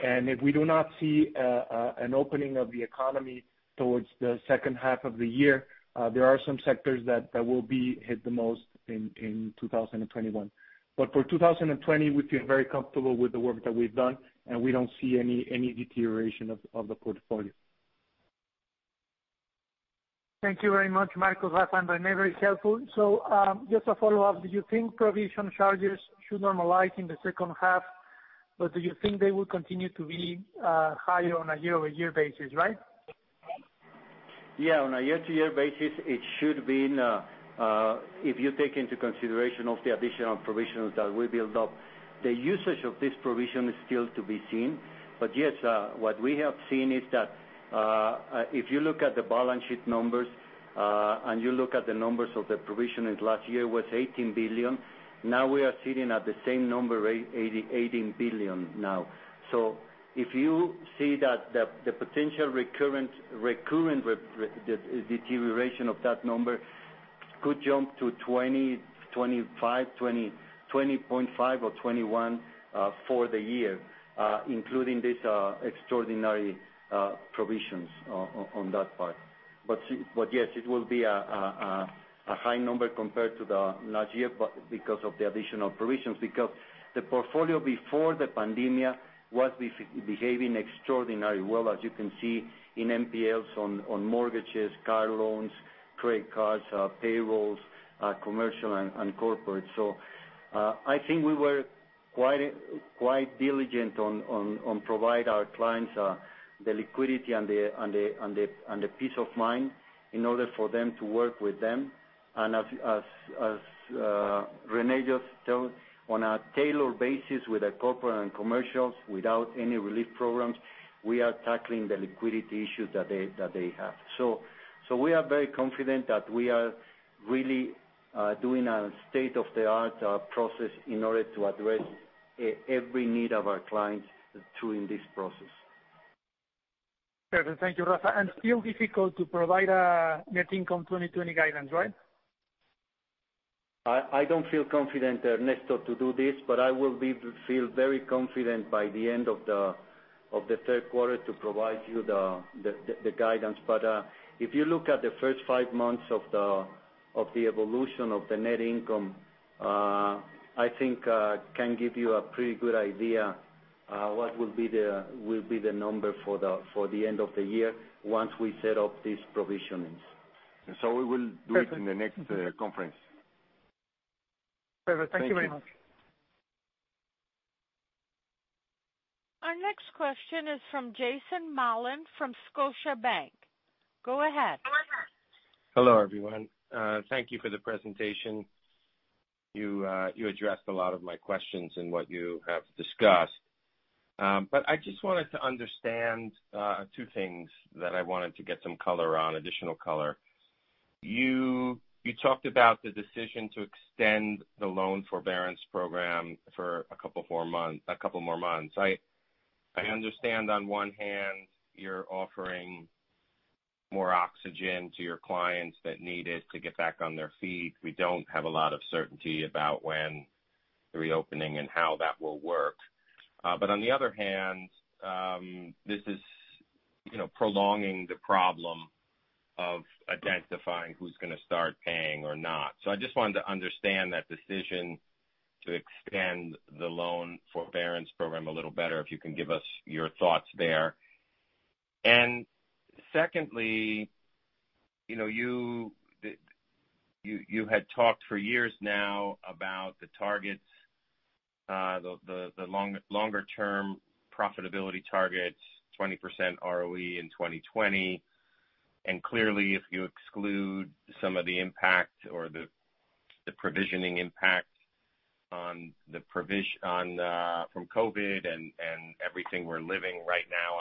If we do not see an opening of the economy towards the second half of the year, there are some sectors that will be hit the most in 2021. For 2020, we feel very comfortable with the work that we've done, and we don't see any deterioration of the portfolio. Thank you very much, Marcos, Rafa, and René. Very helpful. Just a follow-up. Do you think provision charges should normalize in the second half, or do you think they will continue to be higher on a year-over-year basis, right? Yeah. On a year-to-year basis, it should been, if you take into consideration of the additional provisions that we build up, the usage of this provision is still to be seen. Yes, what we have seen is that, if you look at the balance sheet numbers, and you look at the numbers of the provision in last year was 18 billion. Now we are sitting at the same number, 18 billion now. If you see that the potential recurrent deterioration of that number could jump to 20 billion, 25 billion, 20.5 billion or 21 billion for the year, including this extraordinary provisions on that part. Yes, it will be a high number compared to the last year, because of the additional provisions. The portfolio before the pandemia was behaving extraordinary well, as you can see in NPLs on mortgages, car loans, credit cards, payrolls, commercial and corporate. I think we were quite diligent on provide our clients, the liquidity and the peace of mind in order for them to work with them. As René just told, on a tailored basis with the corporate and commercials, without any relief programs, we are tackling the liquidity issues that they have. We are very confident that we are really doing a state-of-the-art process in order to address every need of our clients during this process. Perfect. Thank you, Rafa. Still difficult to provide a net income 2020 guidance, right? I don't feel confident, Ernesto, to do this, but I will feel very confident by the end of the third quarter to provide you the guidance. If you look at the first five months of the evolution of the net income, I think can give you a pretty good idea what will be the number for the end of the year once we set up these provisionings. We will do it in the next conference. Perfect. Thank you very much. Our next question is from Jason Mollin from Scotiabank. Go ahead. Hello, everyone. Thank you for the presentation. You addressed a lot of my questions in what you have discussed. I just wanted to understand two things that I wanted to get some additional color on. You talked about the decision to extend the loan forbearance program for a couple more months. I understand on one hand you're offering more oxygen to your clients that need it to get back on their feet. We don't have a lot of certainty about when the reopening and how that will work. On the other hand, this is prolonging the problem of identifying who's going to start paying or not. I just wanted to understand that decision to extend the loan forbearance program a little better, if you can give us your thoughts there. Secondly, you had talked for years now about the targets, the longer-term profitability targets, 20% ROE in 2020. Clearly, if you exclude some of the impact or the provisioning impact from COVID and everything we're living right now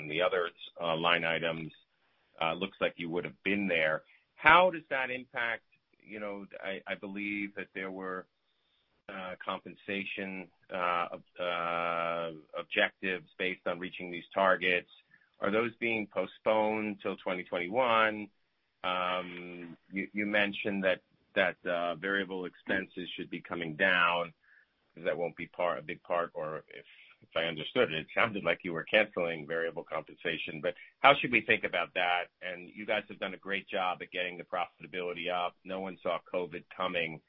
on the other line items, looks like you would have been there. How does that impact, I believe that there were compensation objectives based on reaching these targets? Are those being postponed till 2021? You mentioned that variable expenses should be coming down because that won't be a big part, or if I understood it sounded like you were canceling variable compensation. How should we think about that? You guys have done a great job at getting the profitability up. No one saw COVID coming.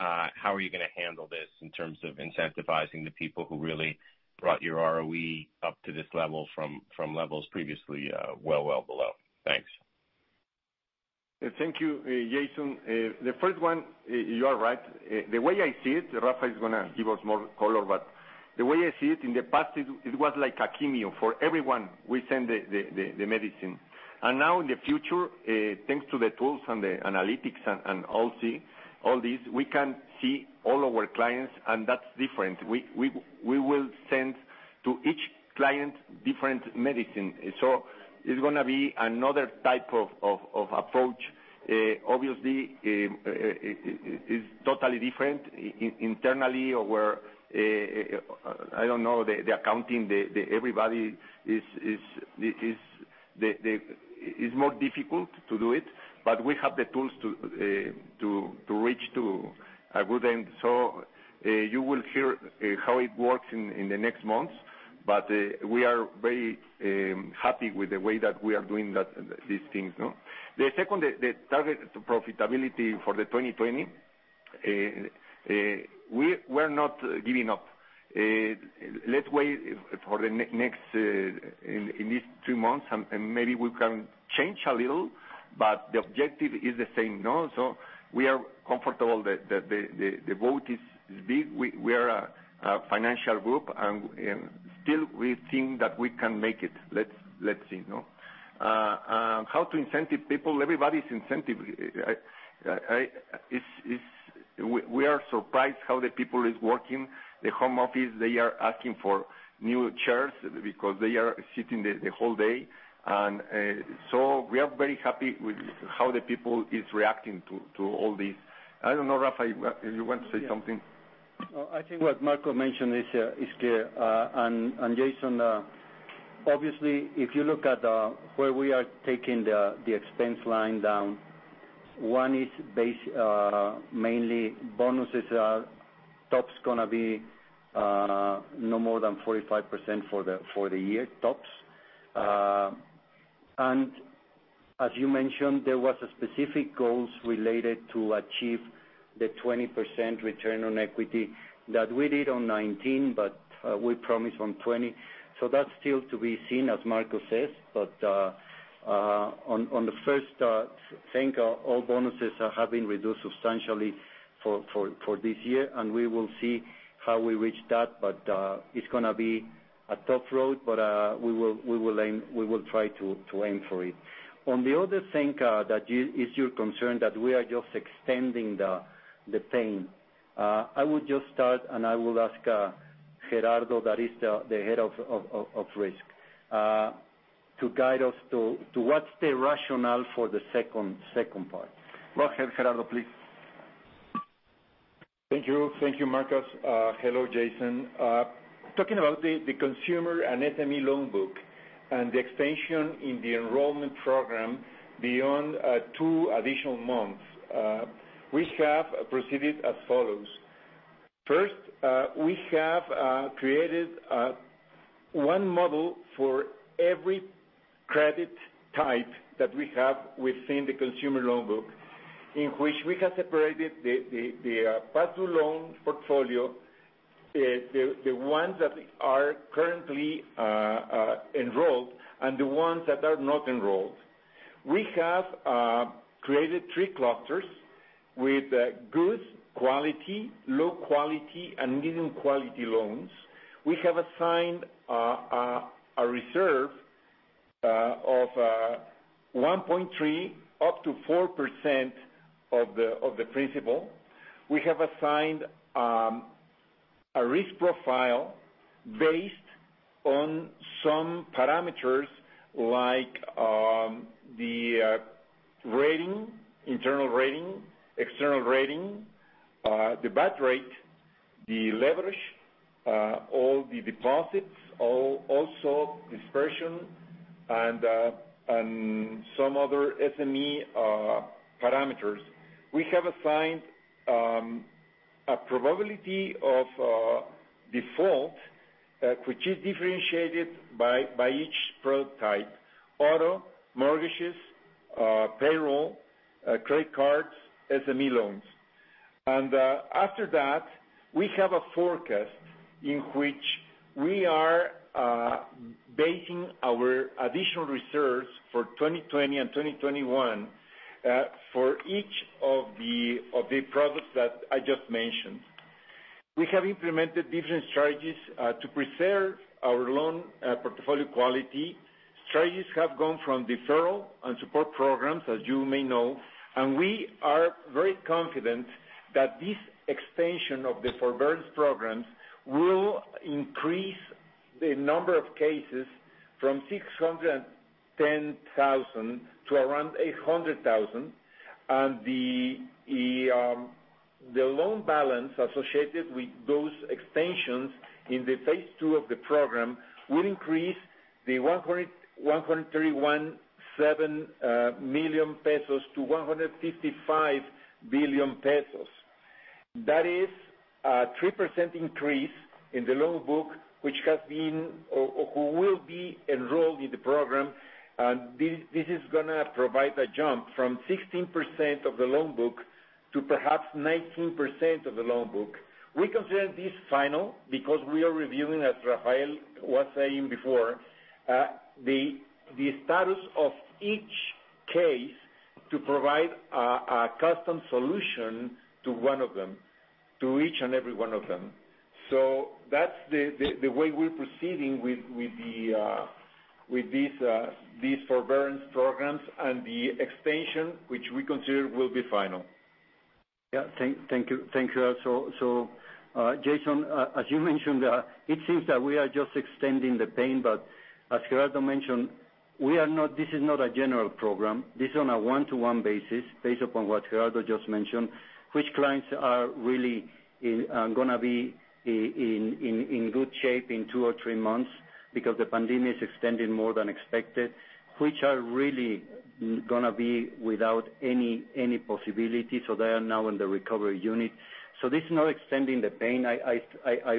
How are you going to handle this in terms of incentivizing the people who really brought your ROE up to this level from levels previously well below? Thanks. Thank you, Jason. The first one, you are right. Rafa is going to give us more color, but the way I see it, in the past, it was like a chemo for everyone. We send the medicine. Now in the future, thanks to the tools and the analytics and all these, we can see all our clients, and that's different. We will send to each client different medicine. It's going to be another type of approach. Obviously, it's totally different internally or where, I don't know, the accounting, everybody is more difficult to do it, but we have the tools to reach to a good end. You will hear how it works in the next months, but we are very happy with the way that we are doing these things. The second, the target profitability for the 2020, we're not giving up. Let's wait for the next two months, and maybe we can change a little, but the objective is the same. We are comfortable that the vote is big. We are a financial group, and still we think that we can make it. Let's see. How to incentive people, everybody's incentive. We are surprised how the people is working. The home office, they are asking for new chairs because they are sitting the whole day. We are very happy with how the people is reacting to all this. I don't know, Rafa, you want to say something? I think what Marcos mentioned is clear. Jason, obviously, if you look at where we are taking the expense line down, one is mainly bonuses. Tops is going to be no more than 45% for the year, tops. As you mentioned, there was a specific goals related to achieve the 20% return on equity that we did on 2019, but we promise on 2020. That is still to be seen, as Marcos says. On the first thing, all bonuses have been reduced substantially for this year, and we will see how we reach that, but it is going to be a tough road, but we will try to aim for it. The other thing that is your concern that we are just extending the pain, I would just start, and I will ask Gerardo, that is the Head of Risk, to guide us to what's the rationale for the second part. Go ahead, Gerardo, please. Thank you, Marcos. Hello, Jason. Talking about the consumer and SME loan book and the extension in the enrollment program beyond two additional months, we have proceeded as follows. First, we have created one model for every credit type that we have within the consumer loan book, in which we have separated the past-due loan portfolio, the ones that are currently enrolled, and the ones that are not enrolled. We have created three clusters with good quality, low quality, and medium quality loans. We have assigned a reserve of 1.3% up to 4% of the principal. We have assigned a risk profile based on some parameters like the rating, internal rating, external rating, the bad rate, the leverage, all the deposits, also dispersion, and some other SME parameters. We have assigned a probability of default, which is differentiated by each product type, auto, mortgages, payroll, credit cards, SME loans. After that, we have a forecast in which we are basing our additional reserves for 2020 and 2021 for each of the products that I just mentioned. We have implemented different strategies to preserve our loan portfolio quality. Strategies have gone from deferral and support programs, as you may know, and we are very confident that this extension of the forbearance programs will increase the number of cases from 610,000 to around 800,000. The loan balance associated with those extensions in the Phase 2 of the program will increase the 131.7 billion pesos to 155 billion pesos. That is a 3% increase in the loan book, which has been, or will be enrolled in the program. This is going to provide a jump from 16% of the loan book to perhaps 19% of the loan book. We consider this final because we are reviewing, as Rafael was saying before, the status of each case to provide a custom solution to one of them, to each and every one of them. That's the way we're proceeding with these forbearance programs and the extension, which we consider will be final. Yeah. Thank you. Jason, as you mentioned, it seems that we are just extending the pain, but as Gerardo mentioned, this is not a general program. This is on a one-to-one basis, based upon what Gerardo just mentioned, which clients are really going to be in good shape in two or three months because the pandemic is extending more than expected, which are really going to be without any possibility, so they are now in the recovery unit. This is not extending the pain. I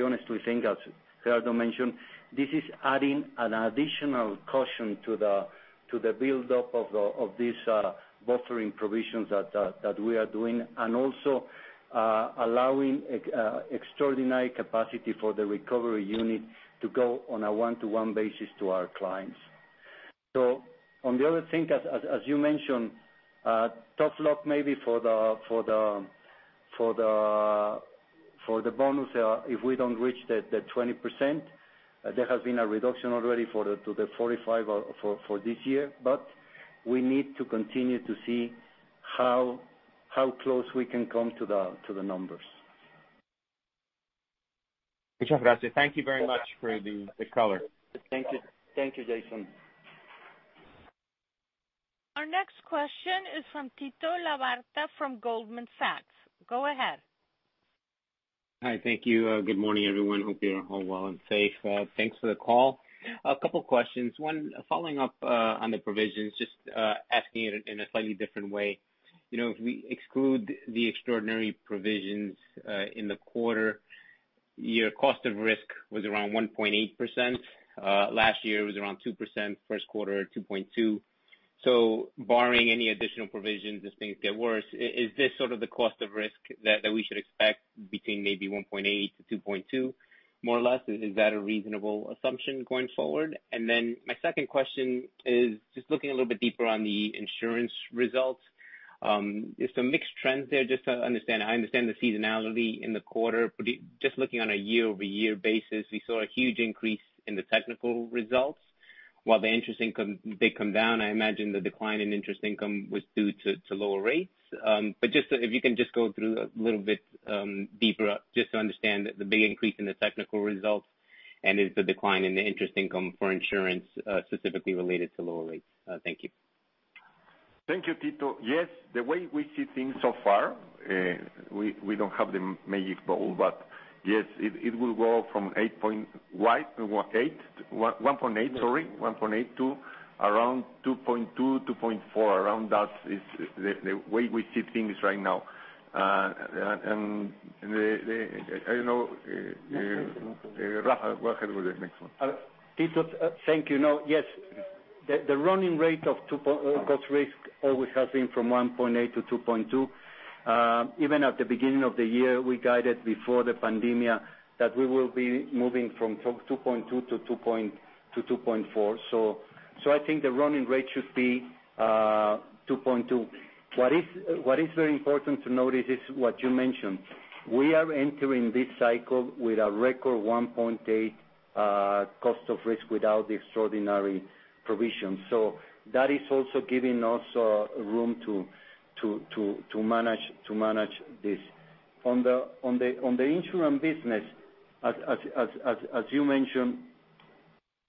honestly think, as Gerardo mentioned, this is adding an additional caution to the build-up of these buffering provisions that we are doing and also allowing extraordinary capacity for the recovery unit to go on a one-to-one basis to our clients. On the other thing, as you mentioned, tough luck maybe for the bonus if we don't reach the 20%. There has been a reduction already to the 45 for this year. We need to continue to see how close we can come to the numbers. Thank you very much for the color. Thank you, Jason. Our next question is from Tito Labarta from Goldman Sachs. Go ahead. Hi. Thank you. Good morning, everyone. Hope you're all well and safe. Thanks for the call. A couple questions. One, following up on the provisions, just asking it in a slightly different way. If we exclude the extraordinary provisions in the quarter, your cost of risk was around 1.8%. Last year, it was around 2%, first quarter, 2.2%. Barring any additional provisions as things get worse, is this sort of the cost of risk that we should expect between maybe 1.8%-2.2%, more or less? Is that a reasonable assumption going forward? My second question is just looking a little bit deeper on the insurance results. There's some mixed trends there. Just to understand, I understand the seasonality in the quarter, but just looking on a year-over-year basis, we saw a huge increase in the technical results while the interest income did come down. I imagine the decline in interest income was due to lower rates. If you can just go through a little bit deeper just to understand the big increase in the technical results and is the decline in the interest income for insurance specifically related to lower rates? Thank you. Thank you, Tito. Yes, the way we see things so far, we don't have the magic ball, but yes, it will go from 1.8% to around 2.2%-2.4%. Around that is the way we see things right now. I know, Rafael, go ahead with the next one. Tito, thank you. The running rate of cost of risk always has been from 1.8%-2.2%. Even at the beginning of the year, we guided before the pandemia that we will be moving from 2.2%-2.4%. I think the running rate should be 2.2%. What is very important to notice is what you mentioned. We are entering this cycle with a record 1.8% cost of risk without the extraordinary provision. That is also giving us room to manage this. On the insurance business, as you mentioned,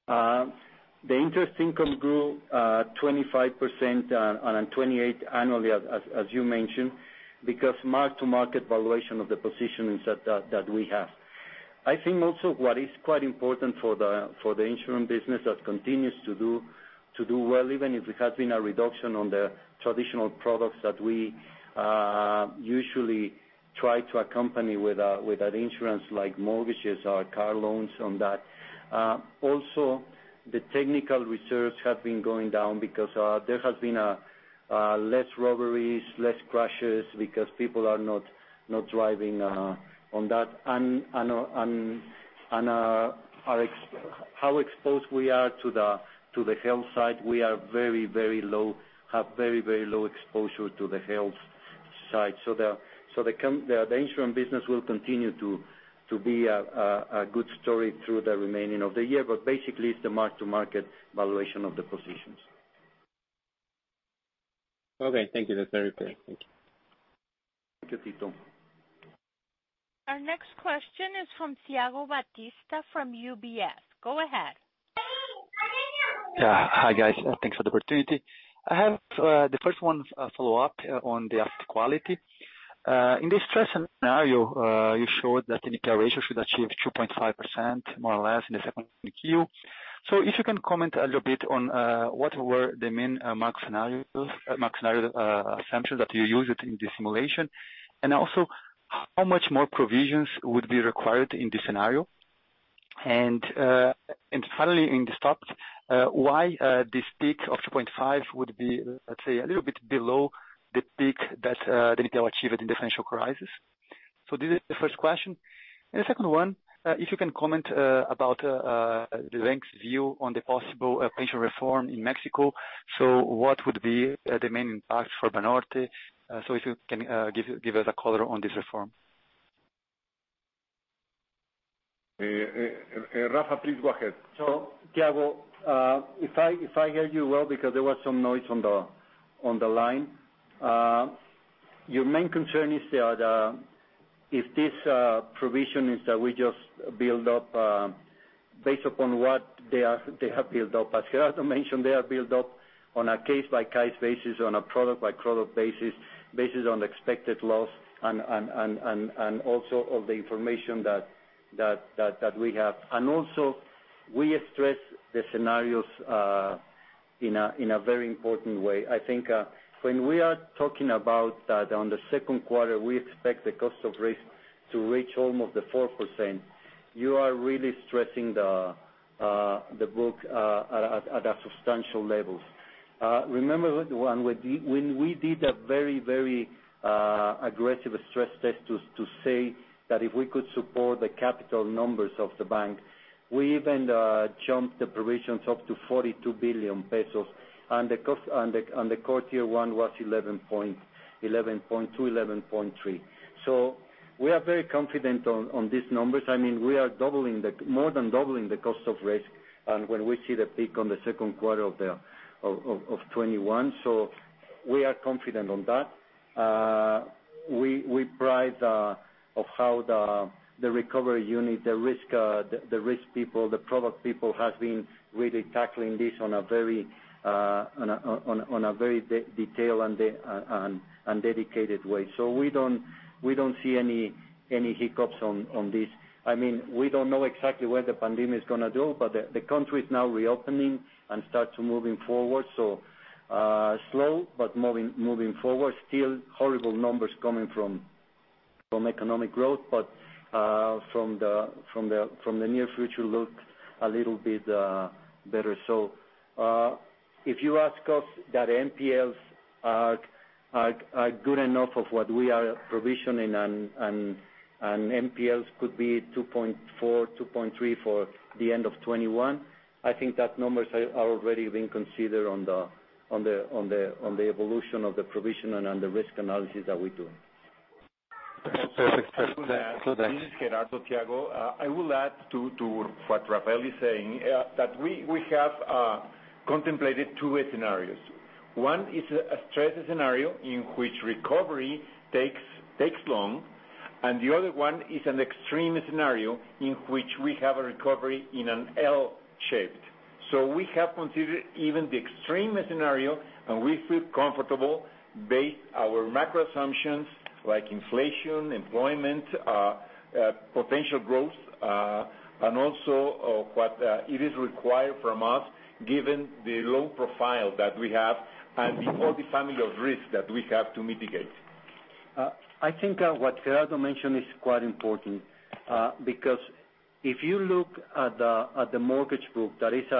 the interest income grew 25% and on 28% annually, as you mentioned, because mark-to-market valuation of the positions that we have. I think also what is quite important for the insurance business that continues to do well, even if it has been a reduction on the traditional products that we usually try to accompany with an insurance like mortgages or car loans on that. Also, the technical reserves have been going down because there has been less robberies, less crashes, because people are not driving on that. How exposed we are to the health side, we have very low exposure to the health side. The insurance business will continue to be a good story through the remaining of the year. Basically, it's the mark-to-market valuation of the positions. Okay, thank you. That's very clear. Thank you. Thank you, Tito. Our next question is from Thiago Batista from UBS. Go ahead. Yeah. Hi, guys. Thanks for the opportunity. I have the first one, a follow-up on the asset quality. In the stress scenario, you showed that the NPL ratio should achieve 2.5%, more or less, in the second Q. If you can comment a little bit on what were the main macro scenario assumptions that you used in the simulation, and also how much more provisions would be required in this scenario? Finally, in the stress, why this peak of 2.5 would be, let's say, a little bit below the peak that they need to achieve it in the financial crisis? This is the first question. The second one, if you can comment about the bank's view on the possible pension reform in Mexico. What would be the main impact for Banorte? If you can give us a color on this reform. Rafa, please go ahead. Thiago, if I hear you well, because there was some noise on the line. Your main concern is if these provisions that we just build up based upon what they have built up. As Gerardo mentioned, they are built up on a case-by-case basis, on a product-by-product basis, based on expected loss and also all the information that we have. Also we stress the scenarios in a very important way. I think when we are talking about that on the second quarter, we expect the cost of risk to reach almost the 4%. You are really stressing the book at a substantial level. Remember when we did a very aggressive stress test to say that if we could support the capital numbers of the bank, we even jumped the provisions up to 42 billion pesos, the quarter one was 11.2 billion, 11.3 billion. We are very confident on these numbers. We are more than doubling the cost of risk and when we see the peak on the second quarter of 2021. We are confident on that. We pride of how the recovery unit, the risk people, the product people has been really tackling this on a very detailed and dedicated way. We don't see any hiccups on this. We don't know exactly where the pandemic is going to go, but the country is now reopening and start to moving forward. Slow, but moving forward. Still horrible numbers coming from economic growth, but from the near future, looks a little bit better. If you ask us that NPLs are good enough of what we are provisioning, and NPLs could be 2.4%, 2.3% for the end of 2021, I think that numbers are already being considered on the evolution of the provision and on the risk analysis that we're doing. Perfect. This is Gerardo, Thiago. I will add to what Rafael is saying, that we have contemplated two scenarios. One is a stress scenario in which recovery takes long. The other one is an extreme scenario, in which we have a recovery in an L shape. We have considered even the extreme scenario, and we feel comfortable based our macro assumptions like inflation, employment, potential growth, and also what is required from us given the loan profile that we have and all the family of risk that we have to mitigate. I think what Gerardo mentioned is quite important, because if you look at the mortgage book, that is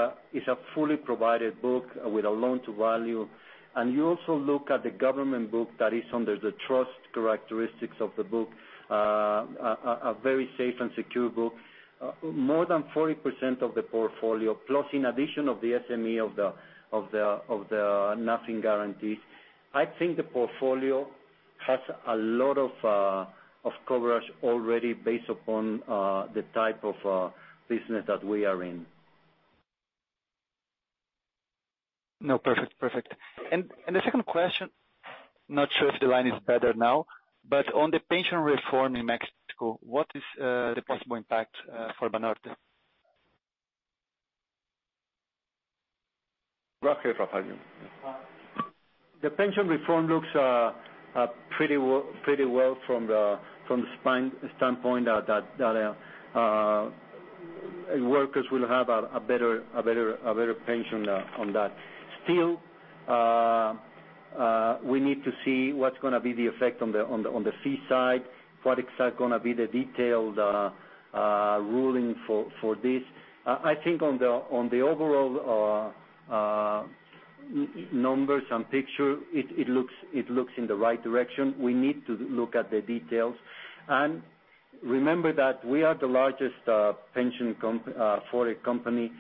a fully provided book with a loan-to-value, and you also look at the government book that is under the trust characteristics of the book, a very safe and secure book. More than 40% of the portfolio, plus in addition of the SME of the NAFIN guarantees. I think the portfolio has a lot of coverage already based upon the type of business that we are in. No, perfect. The second question, not sure if the line is better now, but on the pension reform in Mexico, what is the possible impact for Banorte? Go ahead, Rafael. The pension reform looks pretty well from the standpoint that workers will have a better pension on that. We need to see what's going to be the effect on the fee side, what exactly is going to be the detailed ruling for this. I think on the overall numbers and picture, it looks in the right direction. We need to look at the details. Remember that we are the largest pension Afore company.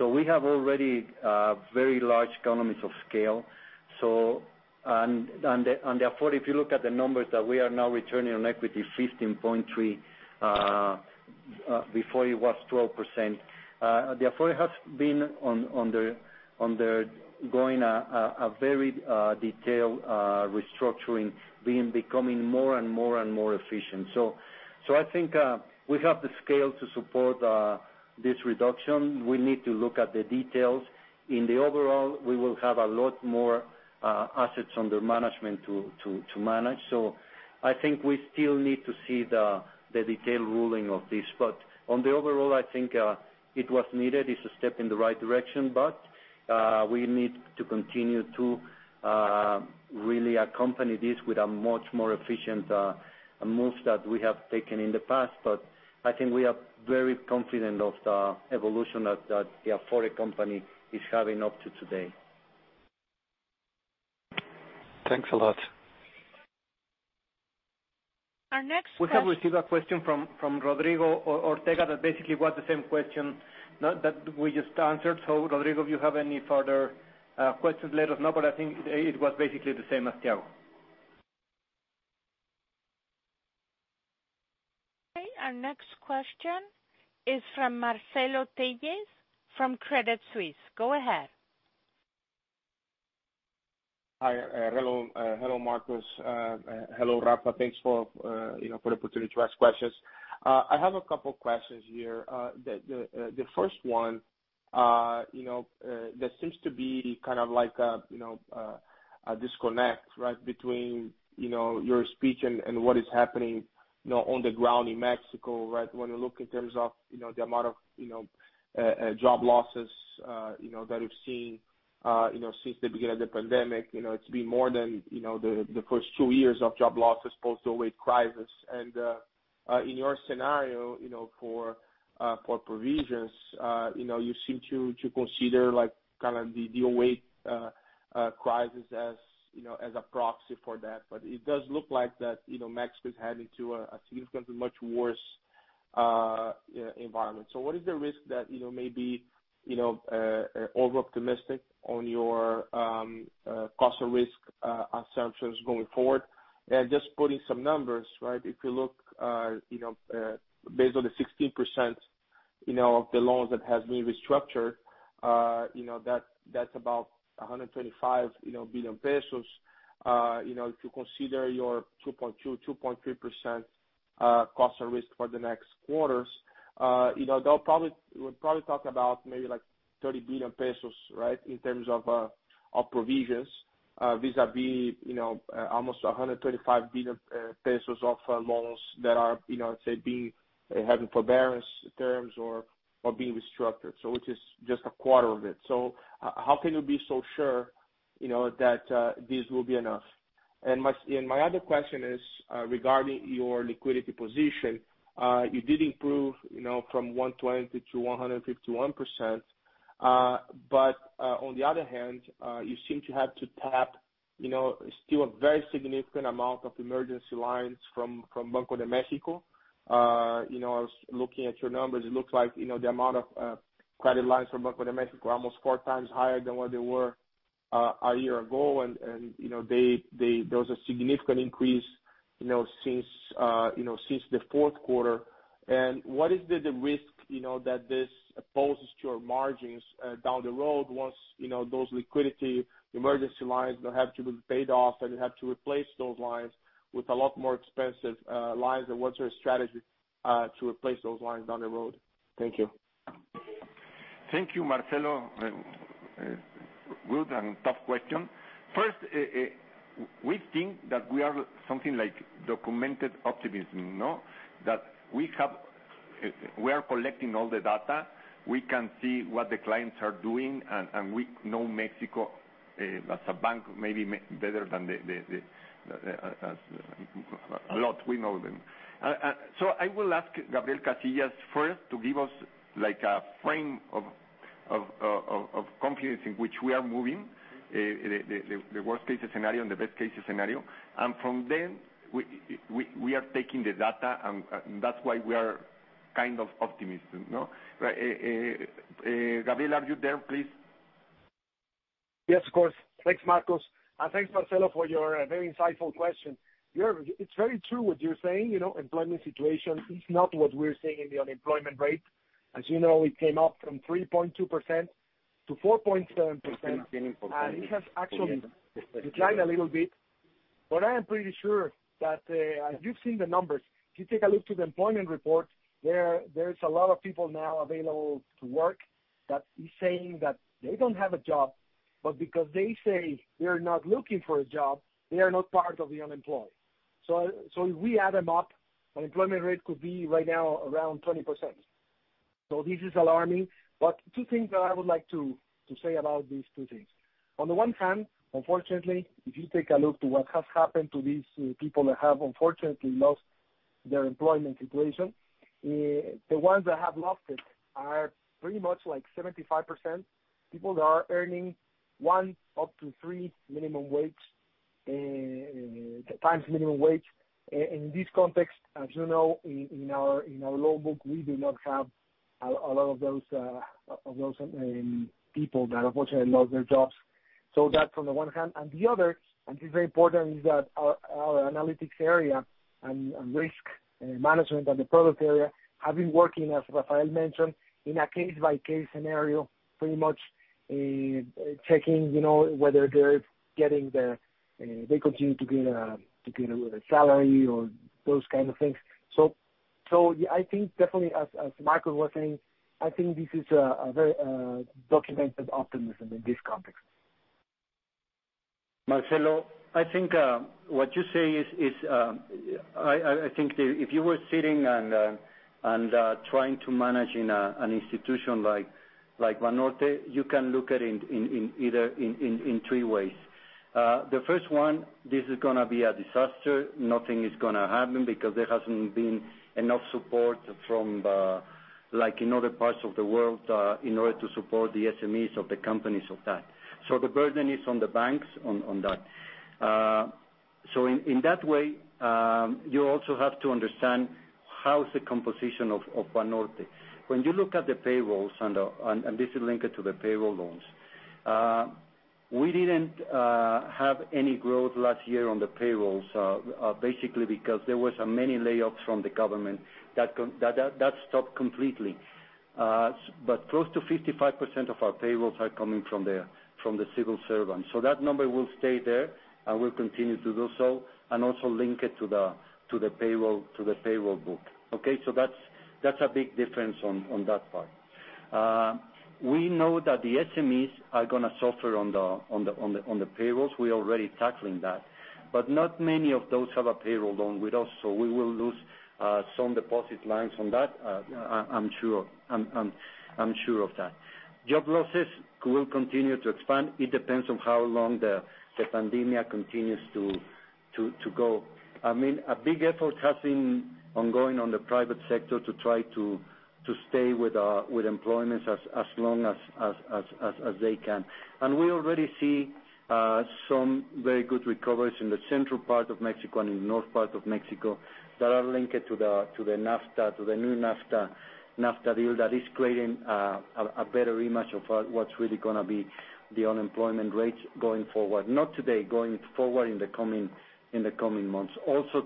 We have already very large economies of scale. If you look at the numbers that we are now returning on equity 15.3%, before it was 12%. The Afore has been undergoing a very detailed restructuring, becoming more and more efficient. I think we have the scale to support this reduction. We need to look at the details. In the overall, we will have a lot more assets under management to manage. I think we still need to see the detailed ruling of this. On the overall, I think it was needed. It's a step in the right direction, we need to continue to really accompany this with a much more efficient moves that we have taken in the past. I think we are very confident of the evolution that the Afore company is having up to today. Thanks a lot. Our next question. We have received a question from Rodrigo Ortega that basically was the same question that we just answered. Rodrigo, if you have any further questions, let us know, but I think it was basically the same as Thiago. Okay, our next question is from Marcelo Telles from Credit Suisse. Go ahead. Hi. Hello, Marcos. Hello, Rafa. Thanks for the opportunity to ask questions. I have a couple questions here. The first one, there seems to be kind of like a disconnect between your speech and what is happening on the ground in Mexico. When you look in terms of the amount of job losses that we've seen since the beginning of the pandemic, it's been more than the first two years of job losses post the 2008 crisis. In your scenario for provisions, you seem to consider the 2008 crisis as a proxy for that. It does look like that Mexico is heading to a significantly much worse environment. What is the risk that may be over-optimistic on your cost and risk assumptions going forward? Just putting some numbers. If you look based on the 16% of the loans that have been restructured, that's about 125 billion pesos. If you consider your 2.2%, 2.3% cost of risk for the next quarters, we're probably talking about maybe like 30 billion pesos in terms of provisions vis-à-vis almost 125 billion pesos of loans that are having forbearance terms or being restructured. It is just a quarter of it. How can you be so sure that this will be enough? My other question is regarding your liquidity position. You did improve from 120% to 151%. On the other hand, you seem to have to tap still a very significant amount of emergency lines from Banco de Mexico. I was looking at your numbers, it looks like the amount of credit lines from Banco de Mexico are almost four times higher than what they were a year ago. There was a significant increase since the fourth quarter. What is the risk that this poses to your margins down the road once those liquidity emergency lines will have to be paid off and you have to replace those lines with a lot more expensive lines, and what's your strategy to replace those lines down the road? Thank you. Thank you, Marcelo. Good and tough question. First, we think that we are something like documented optimism. That we are collecting all the data. We can see what the clients are doing, and we know Mexico as a bank maybe better than a lot, we know them. I will ask Gabriel Casillas first to give us a frame of confidence in which we are moving, the worst case scenario and the best case scenario. From there, we are taking the data, and that's why we are kind of optimistic. Gabriel, are you there, please? Yes, of course. Thanks, Marcos, and thanks, Marcelo, for your very insightful question. It's very true what you're saying. Employment situation is not what we're seeing in the unemployment rate. As you know, it came up from 3.2% to 4.7%, and it has actually declined a little bit. I am pretty sure that, as you've seen the numbers, if you take a look to the employment report, there is a lot of people now available to work that is saying that they don't have a job, but because they say they're not looking for a job, they are not part of the unemployed. If we add them up, unemployment rate could be right now around 20%. This is alarming. Two things that I would like to say about these two things. On the one hand, unfortunately, if you take a look to what has happened to these people that have unfortunately lost their employment situation, the ones that have lost it are pretty much 75% people that are earning one up to three times minimum wage. In this context, as you know, in our loan book, we do not have a lot of those people that unfortunately lost their jobs. That's on the one hand. The other, and this is very important, is that our analytics area and risk management and the product area have been working, as Rafael mentioned, in a case-by-case scenario, pretty much checking whether they continue to get a salary or those kind of things. I think definitely as Marcos was saying, I think this is a very documented optimism in this context. Marcelo, I think what you say is, I think if you were sitting and trying to manage in an institution like Banorte, you can look at it in three ways. The first one, this is going to be a disaster. Nothing is going to happen because there hasn't been enough support from other parts of the world in order to support the SMEs of the companies of that. The burden is on the banks on that. In that way, you also have to understand how is the composition of Banorte. When you look at the payrolls, this is linked to the payroll loans, we didn't have any growth last year on the payrolls, basically because there was many layoffs from the government. That stopped completely. Close to 55% of our payrolls are coming from the civil servants. That number will stay there and will continue to do so, and also link it to the payroll book. Okay? That's a big difference on that part. We know that the SMEs are going to suffer on the payrolls. We're already tackling that. Not many of those have a payroll loan with us, so we will lose some deposit lines on that, I'm sure of that. Job losses will continue to expand. It depends on how long the pandemia continues to go. A big effort has been ongoing on the private sector to try to stay with employments as long as they can. We already see some very good recoveries in the central part of Mexico and in the north part of Mexico that are linked to the new NAFTA deal that is creating a better image of what's really going to be the unemployment rates going forward. Not today, going forward in the coming months.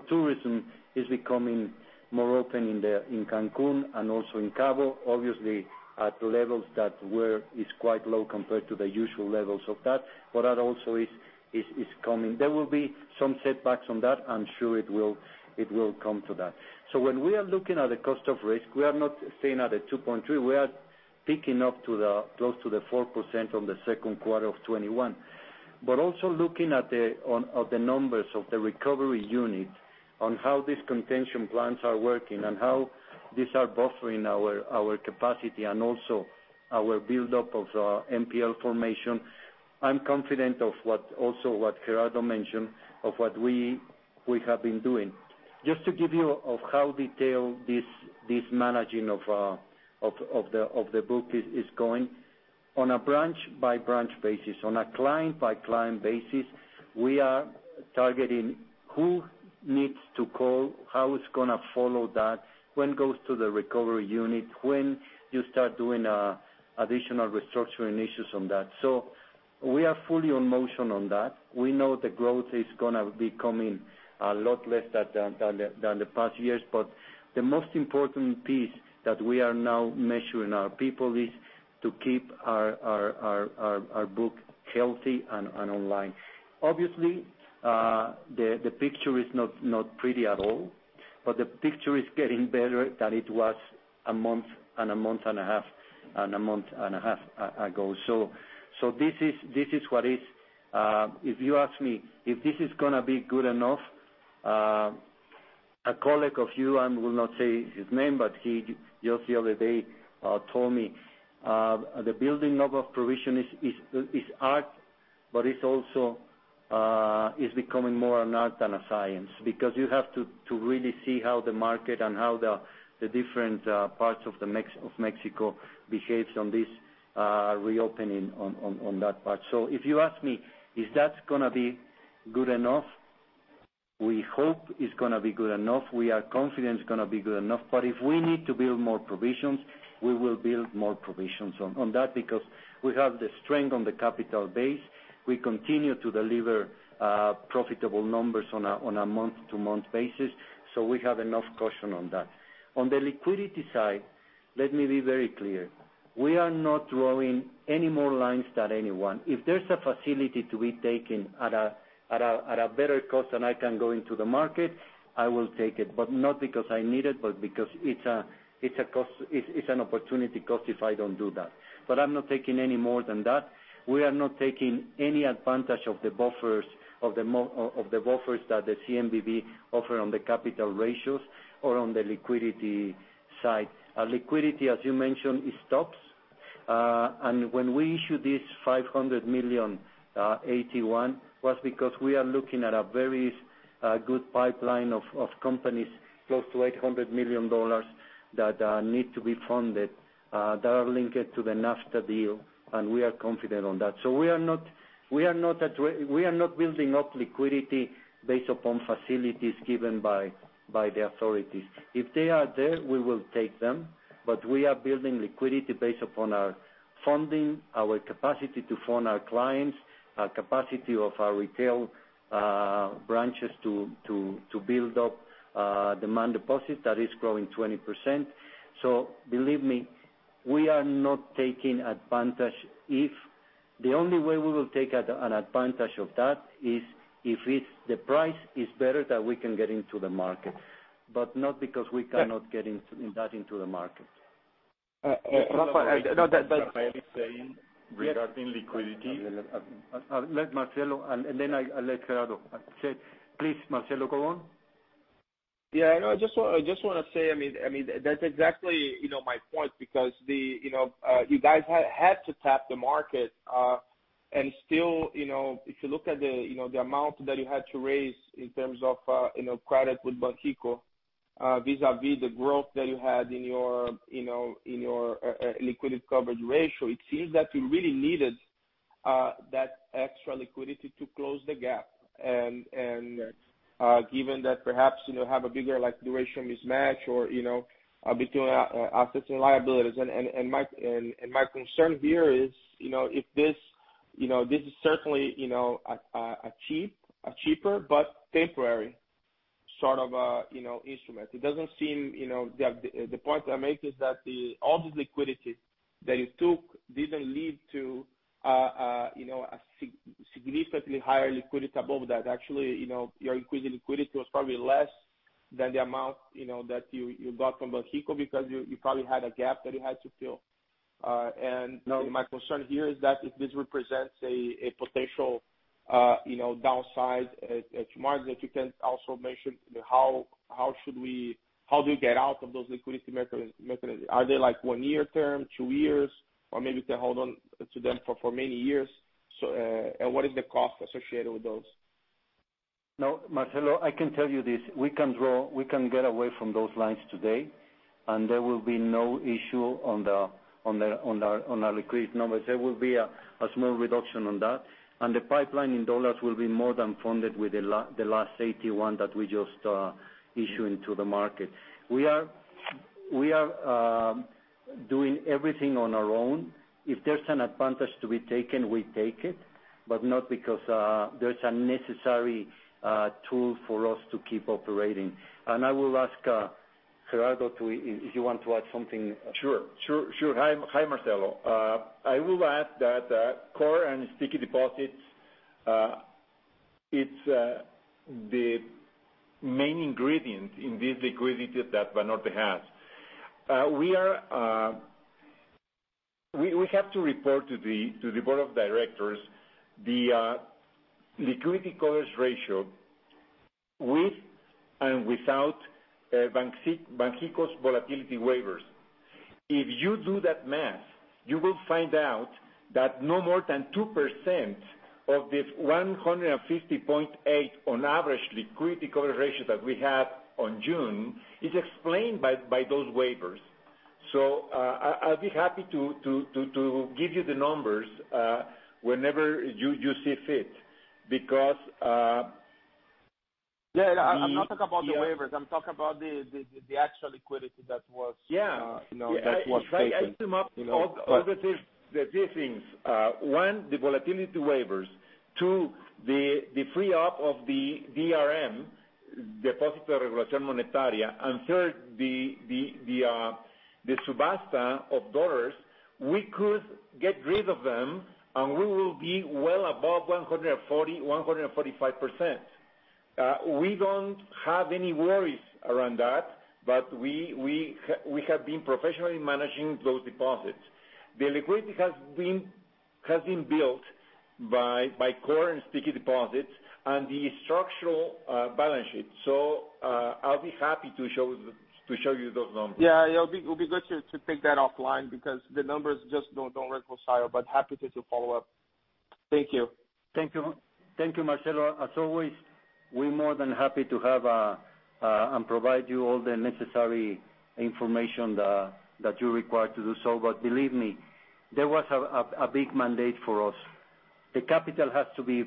Tourism is becoming more open in Cancun and also in Cabo, obviously at levels that is quite low compared to the usual levels of that, but that also is coming. There will be some setbacks on that. I'm sure it will come to that. When we are looking at the cost of risk, we are not staying at a 2.3%. We are picking up close to the 4% on the second quarter of 2021. Also looking at the numbers of the recovery unit on how these contention plans are working and how these are buffering our capacity and also our buildup of NPL formation, I'm confident of also what Gerardo mentioned, of what we have been doing. Just to give you of how detailed this managing of the book is going, on a branch-by-branch basis, on a client-by-client basis, we are targeting who needs to call, how it's going to follow that, when it goes to the recovery unit, when you start doing additional restructuring issues on that. We are fully in motion on that. We know the growth is going to be coming a lot less than the past years, the most important piece that we are now measuring our people is to keep our book healthy and online. Obviously, the picture is not pretty at all. The picture is getting better than it was a month, and a month and a half ago. This is what it is. If you ask me if this is going to be good enough, a colleague of you, I will not say his name, but he just the other day told me, the building of a provision is art, but it's also becoming more an art than a science, because you have to really see how the market and how the different parts of Mexico behaves on this reopening on that part. If you ask me, is that going to be good enough? We hope it's going to be good enough. We are confident it's going to be good enough. If we need to build more provisions, we will build more provisions on that, because we have the strength on the capital base. We continue to deliver profitable numbers on a month-to-month basis. We have enough caution on that. On the liquidity side, let me be very clear. We are not drawing any more lines than anyone. If there's a facility to be taken at a better cost than I can go into the market, I will take it. Not because I need it, but because it's an opportunity cost if I don't do that. I'm not taking any more than that. We are not taking any advantage of the buffers that the CNBV offer on the capital ratios or on the liquidity side. Liquidity, as you mentioned, is tops. When we issue this $500 million AT1 was because we are looking at a very good pipeline of companies, close to $800 million that need to be funded, that are linked to the NAFTA deal. We are confident on that. We are not building up liquidity based upon facilities given by the authorities. If they are there, we will take them, but we are building liquidity based upon our funding, our capacity to fund our clients, our capacity of our retail branches to build up demand deposit that is growing 20%. Believe me, we are not taking advantage. The only way we will take an advantage of that is if the price is better that we can get into the market, but not because we cannot get that into the market. Rafael is saying regarding liquidity. I'll let Marcelo, and then I'll let Gerardo say. Please, Marcelo, go on. Yeah, I just want to say, that's exactly my point because you guys had to tap the market, and still, if you look at the amount that you had to raise in terms of credit with Banxico, vis-à-vis the growth that you had in your liquidity coverage ratio, it seems that you really needed that extra liquidity to close the gap. Given that perhaps you have a bigger duration mismatch or between assets and liabilities. My concern here is, this is certainly a cheaper but temporary sort of instrument. The point I make is that all this liquidity that you took didn't lead to a significantly higher liquidity above that. Actually, your liquidity was probably less than the amount that you got from Banxico because you probably had a gap that you had to fill. My concern here is that if this represents a potential downside to margin, if you can also mention how do you get out of those liquidity mechanisms? Are they one-year term, two years, or maybe you can hold on to them for many years? What is the cost associated with those? No, Marcelo, I can tell you this. We can get away from those lines today, and there will be no issue on the liquidity numbers. There will be a small reduction on that. The pipeline in dollars will be more than funded with the last AT1 that we just issue into the market. We are doing everything on our own. If there's an advantage to be taken, we take it, but not because there's a necessary tool for us to keep operating. I will ask Gerardo, if you want to add something. Sure. Hi, Marcelo. I will add that core and sticky deposits, it's the main ingredient in this liquidity that Banorte has. We have to report to the board of directors the liquidity coverage ratio with and without Banxico's volatility waivers. If you do that math, you will find out that no more than 2% of this 150.8 on average liquidity coverage ratio that we have on June is explained by those waivers. I'll be happy to give you the numbers whenever you see fit. Yeah, I'm not talking about the waivers, I'm talking about the actual liquidity that was. Yeah. That was taken. I sum up all of these things. One, the volatility waivers. Two, the free up of the DRM, Depósito de Regulación Monetaria. Third, the subasta of dollars, we could get rid of them, and we will be well above 145%. We don't have any worries around that. We have been professionally managing those deposits. The liquidity has been built by core and sticky deposits and the structural balance sheet. I'll be happy to show you those numbers. Yeah, it'll be good to take that offline because the numbers just don't reconcile. Happy to follow up. Thank you. Thank you, Marcelo. As always, we're more than happy to have and provide you all the necessary information that you require to do so. Believe me, there was a big mandate for us. The capital has to be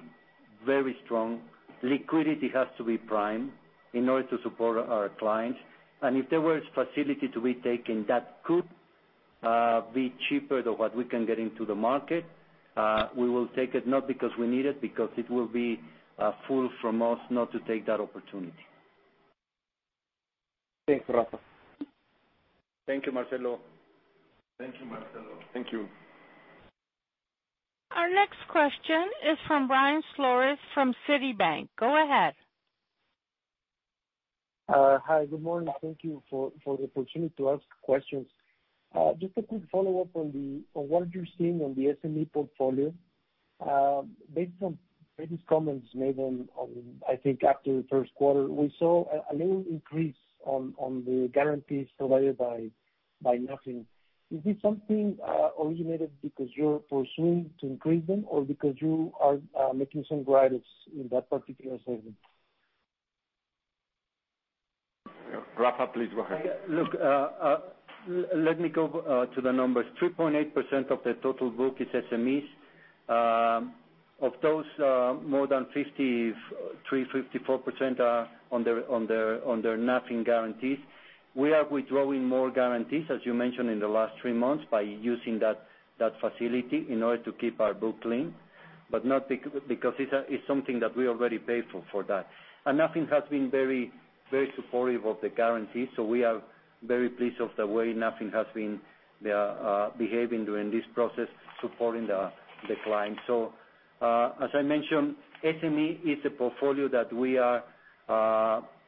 very strong. Liquidity has to be prime in order to support our clients. If there was facility to be taken that could be cheaper than what we can get into the market, we will take it, not because we need it, because it will be fool from us not to take that opportunity. Thanks, Rafa. Thank you, Marcelo. Thank you, Marcelo. Thank you. Our next question is from Brian Flores from Citi. Go ahead. Hi, good morning. Thank you for the opportunity to ask questions. Just a quick follow-up on what you're seeing on the SME portfolio. Based on previous comments made on, I think, after the first quarter, we saw a little increase on the guarantees provided by NAFIN. Is this something originated because you're pursuing to increase them or because you are making some profits in that particular segment? Rafa, please go ahead. Look, let me go to the numbers. 3.8% of the total book is SMEs. Of those, more than 53%, 54% are under NAFIN guarantees. We are withdrawing more guarantees, as you mentioned, in the last three months by using that facility in order to keep our book clean, not because it's something that we already paid for that. NAFIN has been very supportive of the guarantees, we are very pleased of the way NAFIN has been behaving during this process, supporting the client. As I mentioned, SME is a portfolio that we are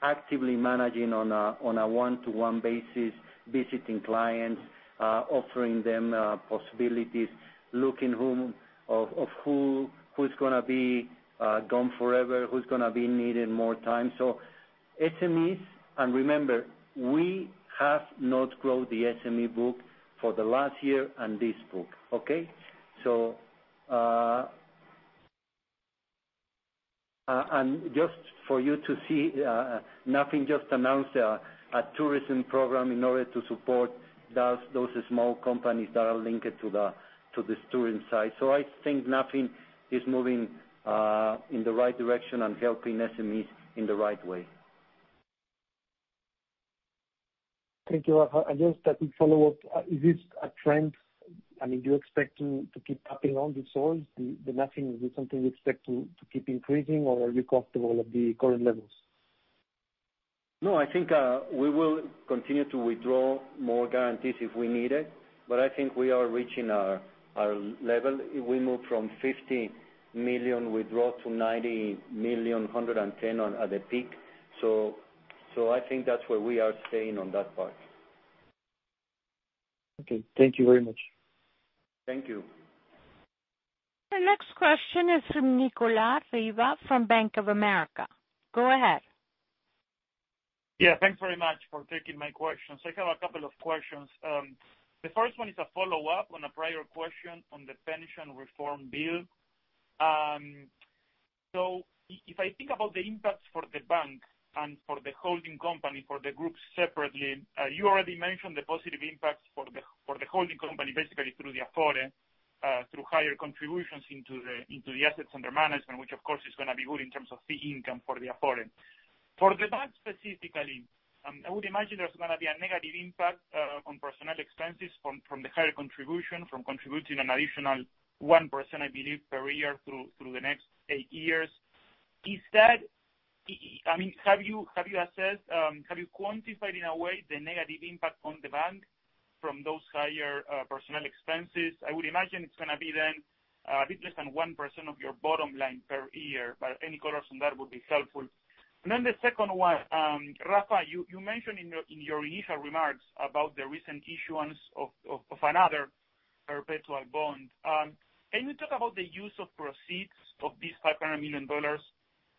actively managing on a one-to-one basis, visiting clients, offering them possibilities, looking of who's going to be gone forever, who's going to be needing more time. SMEs, and remember, we have not grown the SME book for the last year and this book. Okay? Just for you to see, NAFIN just announced a tourism program in order to support those small companies that are linked to this tourism side. I think NAFIN is moving in the right direction and helping SMEs in the right way. Thank you, Rafa. Just a quick follow-up. Is this a trend? Do you expect to keep upping on this all, the NAFIN? Is it something you expect to keep increasing, or are you comfortable at the current levels? I think we will continue to withdraw more guarantees if we need it, but I think we are reaching our level. We moved from 50 million withdrawal to 90 million, 110 million at the peak. I think that's where we are staying on that part. Okay. Thank you very much. Thank you. The next question is from Nicolas Riva from Bank of America. Go ahead. Thanks very much for taking my questions. I have a couple of questions. The first one is a follow-up on a prior question on the pension reform bill. If I think about the impact for the bank and for the holding company, for the group separately, you already mentioned the positive impact for the holding company, basically through the Afore, through higher contributions into the assets under management, which, of course, is going to be good in terms of fee income for the Afore. For the bank specifically, I would imagine there's going to be a negative impact on personnel expenses from the higher contribution, from contributing an additional 1%, I believe, per year through the next eight years. Have you assessed, have you quantified, in a way, the negative impact on the bank from those higher personnel expenses? I would imagine it's going to be then a bit less than 1% of your bottom line per year, but any colors on that would be helpful. The second one, Rafa, you mentioned in your initial remarks about the recent issuance of another perpetual bond. Can you talk about the use of proceeds of this $500 million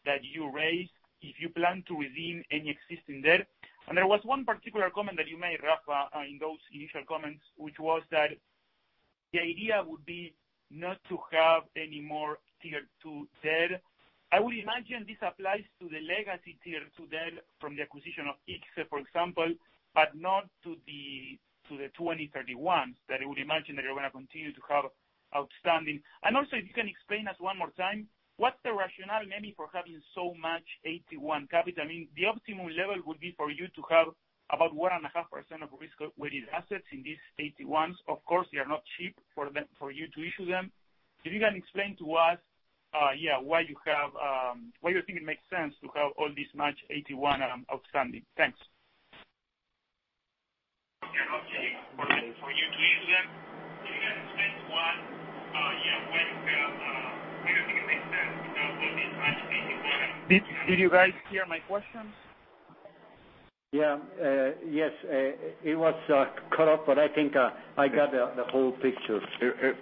that you raised, if you plan to redeem any existing debt? There was one particular comment that you made, Rafa, in those initial comments, which was that the idea would be not to have any more Tier 2 debt. I would imagine this applies to the legacy Tier 2 debt from the acquisition of IXE, for example, but not to the 2031s, that I would imagine that you're going to continue to have outstanding. If you can explain us one more time, what's the rationale maybe for having so much AT1 capital? The optimum level would be for you to have about 1.5% of risk-weighted assets in these AT1s. Of course, they are not cheap for you to issue them. If you can explain to us why you think it makes sense to have all this much AT1 outstanding? Thanks. For you to issue them. You guys missed one. Yeah. Why do you think it makes sense to have all this much AT1? Did you guys hear my question? Yeah. Yes, it was cut off, but I think I got the whole picture.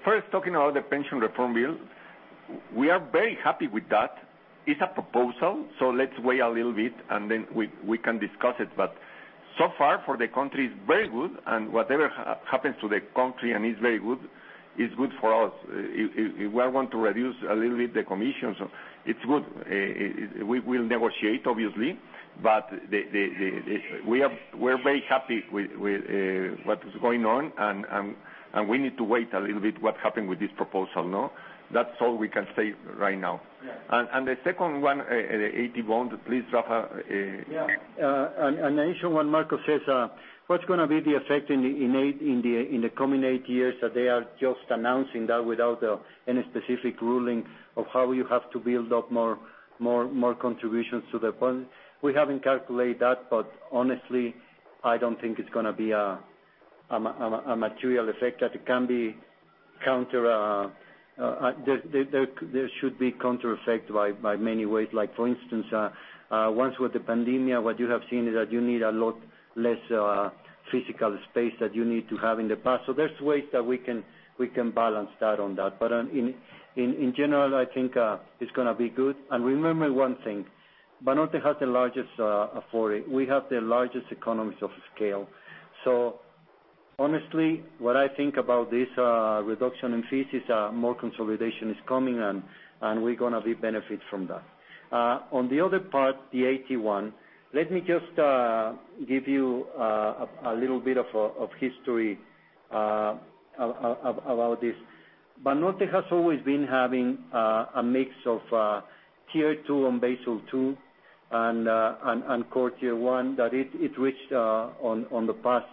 First, talking about the pension reform bill, we are very happy with that. It's a proposal, so let's wait a little bit and then we can discuss it. So far, for the country, it's very good, and whatever happens to the country and is very good, is good for us. If we are going to reduce a little bit the commission, so it's good. We'll negotiate, obviously. We're very happy with what is going on, and we need to wait a little bit what happen with this proposal, no? That's all we can say right now. Yeah. The second one, AT1, please, Rafa. Yeah. I issue what Marcos says, what's going to be the effect in the coming 8 years, that they are just announcing that without any specific ruling of how you have to build up more contributions to the fund. We haven't calculated that. Honestly, I don't think it's going to be a material effect. There should be counter effect by many ways. For instance, once with the pandemia, what you have seen is that you need a lot less physical space that you need to have in the past. There's ways that we can balance that on that. In general, I think it's going to be good. Remember one thing, Banorte has the largest Afore. We have the largest economies of scale. Honestly, what I think about this reduction in fees is more consolidation is coming, and we're going to be benefit from that. On the other part, the AT1, let me just give you a little bit of history about this. Banorte has always been having a mix of Tier 2 and Basel II and Core Tier 1. That it reached on the past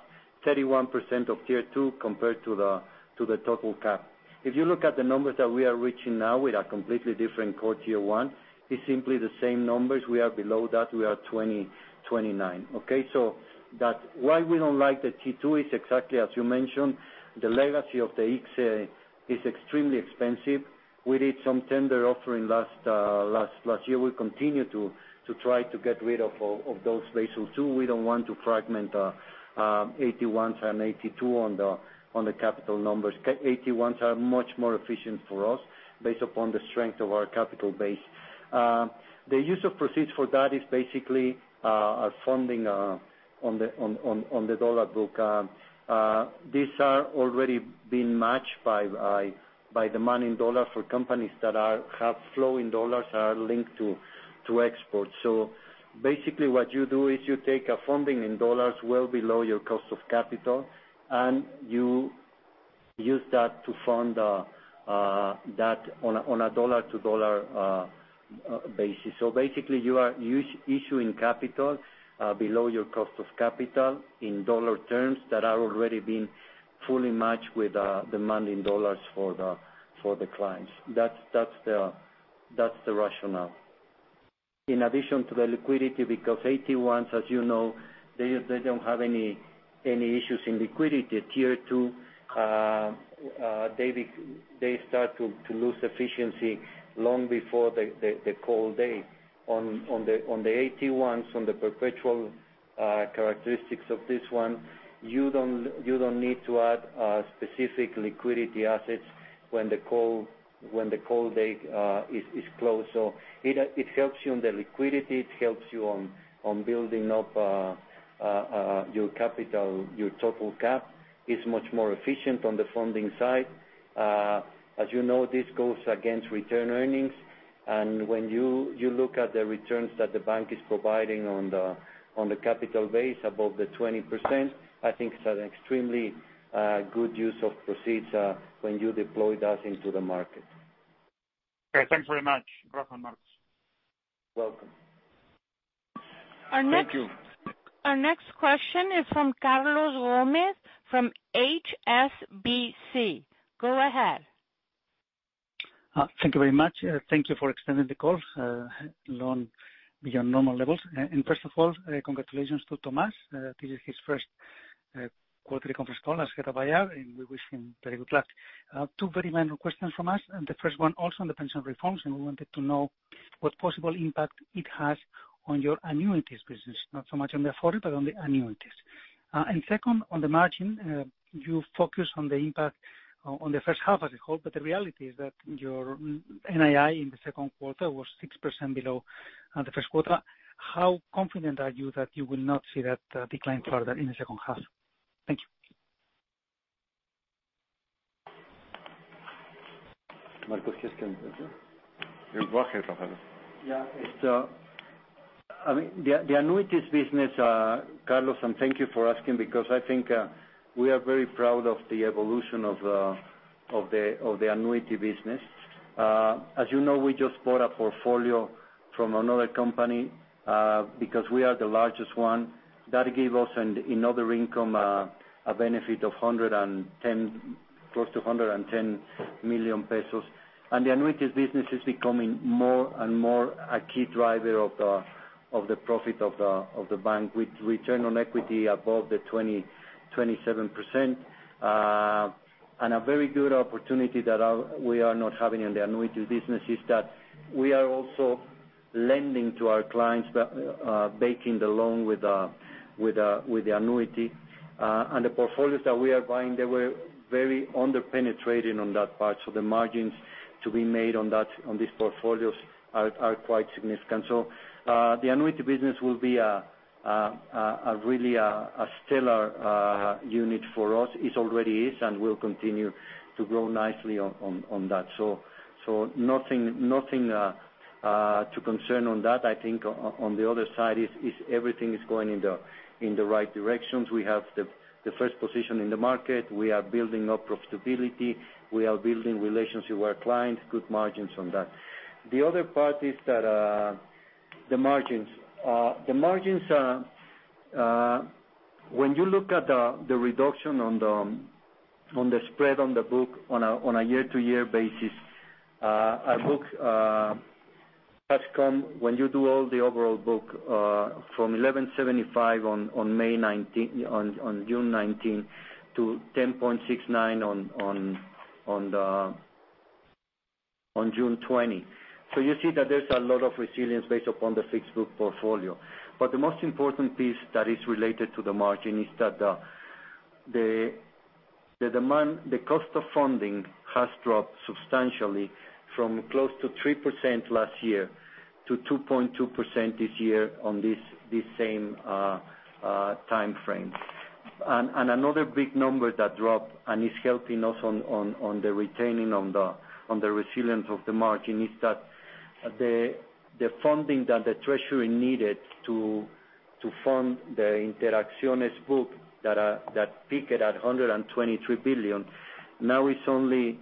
31% of Tier 2 compared to the total CAP. If you look at the numbers that we are reaching now with a completely different Core Tier 1, it's simply the same numbers. We are below that. We are 2029. Okay? Why we don't like the T2 is exactly as you mentioned, the legacy of the IXE is extremely expensive. We did some tender offering last year. We continue to try to get rid of those Basel II. We don't want to fragment AT1s and AT2 on the capital numbers. AT1s are much more efficient for us based upon the strength of our capital base. The use of proceeds for that is basically a funding on the dollar book. These are already being matched by the money in dollar for companies that have flow in dollars are linked to exports. Basically, what you do is you take a funding in dollars well below your cost of capital, and you use that to fund that on a dollar-to-dollar basis. Basically, you are issuing capital below your cost of capital in dollar terms that are already being fully matched with the money in dollars for the clients. That's the rationale. In addition to the liquidity, because AT1s, as you know, they don't have any issues in liquidity. Tier 2, they start to lose efficiency long before the call date. On the AT1s, on the perpetual characteristics of this one, you don't need to add specific liquidity assets when the call date is close. It helps you on the liquidity. It helps you on building up your capital, your total CAP. It's much more efficient on the funding side. As you know, this goes against return earnings. When you look at the returns that the bank is providing on the capital base above the 20%, I think it's an extremely good use of proceeds when you deployed us into the market. Okay, thanks very much, Rafa and Marcos. Welcome. Thank you. Our next question is from Carlos Gomez-Lopez from HSBC. Go ahead. Thank you very much. Thank you for extending the call long beyond normal levels. First of all, congratulations to Tomás. This is his first quarterly conference call as Head of IR, and we wish him very good luck. Two very minor questions from us, the first one also on the pension reforms, we wanted to know what possible impact it has on your annuities business. Not so much on the Afore, but on the annuities. Second, on the margin, you focus on the impact on the first half as a whole, but the reality is that your NII in the second quarter was 6% below the first quarter. How confident are you that you will not see that decline further in the second half? Thank you. Marcos, you can answer. You go ahead, Rafael. Yeah. The annuities business, Carlos, thank you for asking because I think we are very proud of the evolution of the annuity business. As you know, we just bought a portfolio from another company because we are the largest one. That gave us, in other income, a benefit of close to 110 million pesos. The annuities business is becoming more and more a key driver of the profit of the bank, with return on equity above the 27%. A very good opportunity that we are not having in the annuity business is that we are also lending to our clients, backing the loan with the annuity. The portfolios that we are buying, they were very under-penetrated on that part. The margins to be made on these portfolios are quite significant. The annuity business will be really a stellar unit for us. It already is, and will continue to grow nicely on that. Nothing to concern on that. I think on the other side, everything is going in the right directions. We have the first position in the market. We are building up profitability. We are building relationships with our clients, good margins on that. The other part is the margins. The margins, when you look at the reduction on the spread on the book on a year-to-year basis, our book has come, when you do all the overall book, from 11.75 on June 2019 to 10.69 on June 2020. You see that there's a lot of resilience based upon the fixed book portfolio. The most important piece that is related to the margin is that the cost of funding has dropped substantially from close to 3% last year to 2.2% this year on this same timeframe. Another big number that dropped, and is helping us on the retaining on the resilience of the margin is that the funding that the treasury needed to fund the Interacciones book that peaked at 123 billion, now is only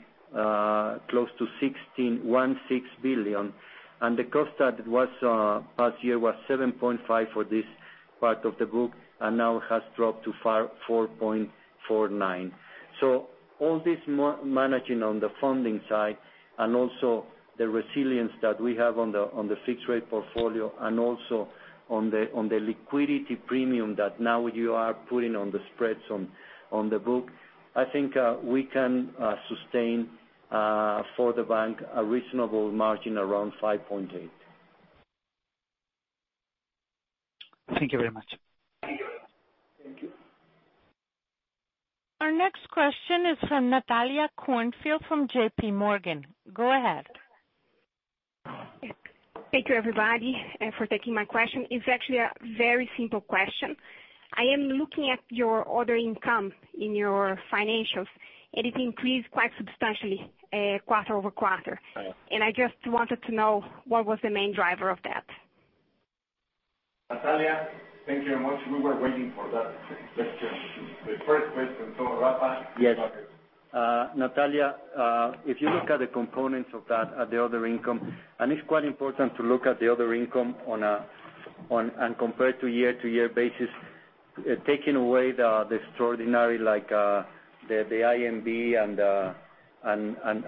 close to 16 billion. The cost that was last year was 7.5% for this part of the book, and now has dropped to 4.49%. All this managing on the funding side, and also the resilience that we have on the fixed rate portfolio, and also on the liquidity premium that now you are putting on the spreads on the book, I think we can sustain, for the bank, a reasonable margin around 5.8%. Thank you very much. Thank you. Our next question is from Natalia Corfield from JPMorgan. Go ahead. Thank you, everybody, for taking my question. It's actually a very simple question. I am looking at your other income in your financials, and it increased quite substantially quarter-over-quarter. I just wanted to know what was the main driver of that. Natalia, thank you very much. We were waiting for that question. The first question, Rafa. Yes. Natalia, if you look at the components of that, the other income, and it's quite important to look at the other income and compare it to year-to-year basis, taking away the extraordinary like the IMV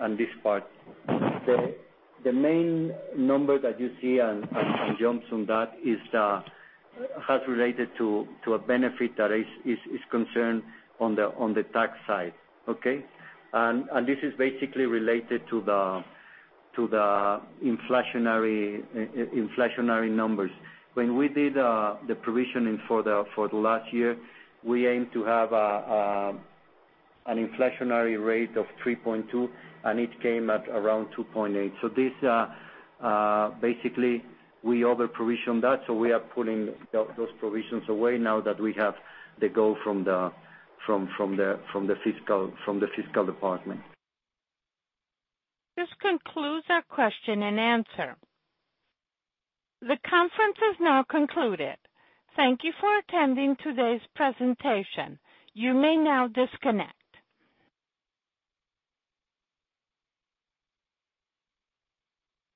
and this part. The main number that you see, and jumps from that has related to a benefit that is concerned on the tax side. Okay. This is basically related to the inflationary numbers. When we did the provisioning for the last year, we aimed to have an inflationary rate of 3.2%, and it came at around 2.8%. This, basically, we over-provisioned that, so we are pulling those provisions away now that we have the go from the fiscal department. This concludes our question and answer. The conference has now concluded. Thank you for attending today's presentation. You may now disconnect.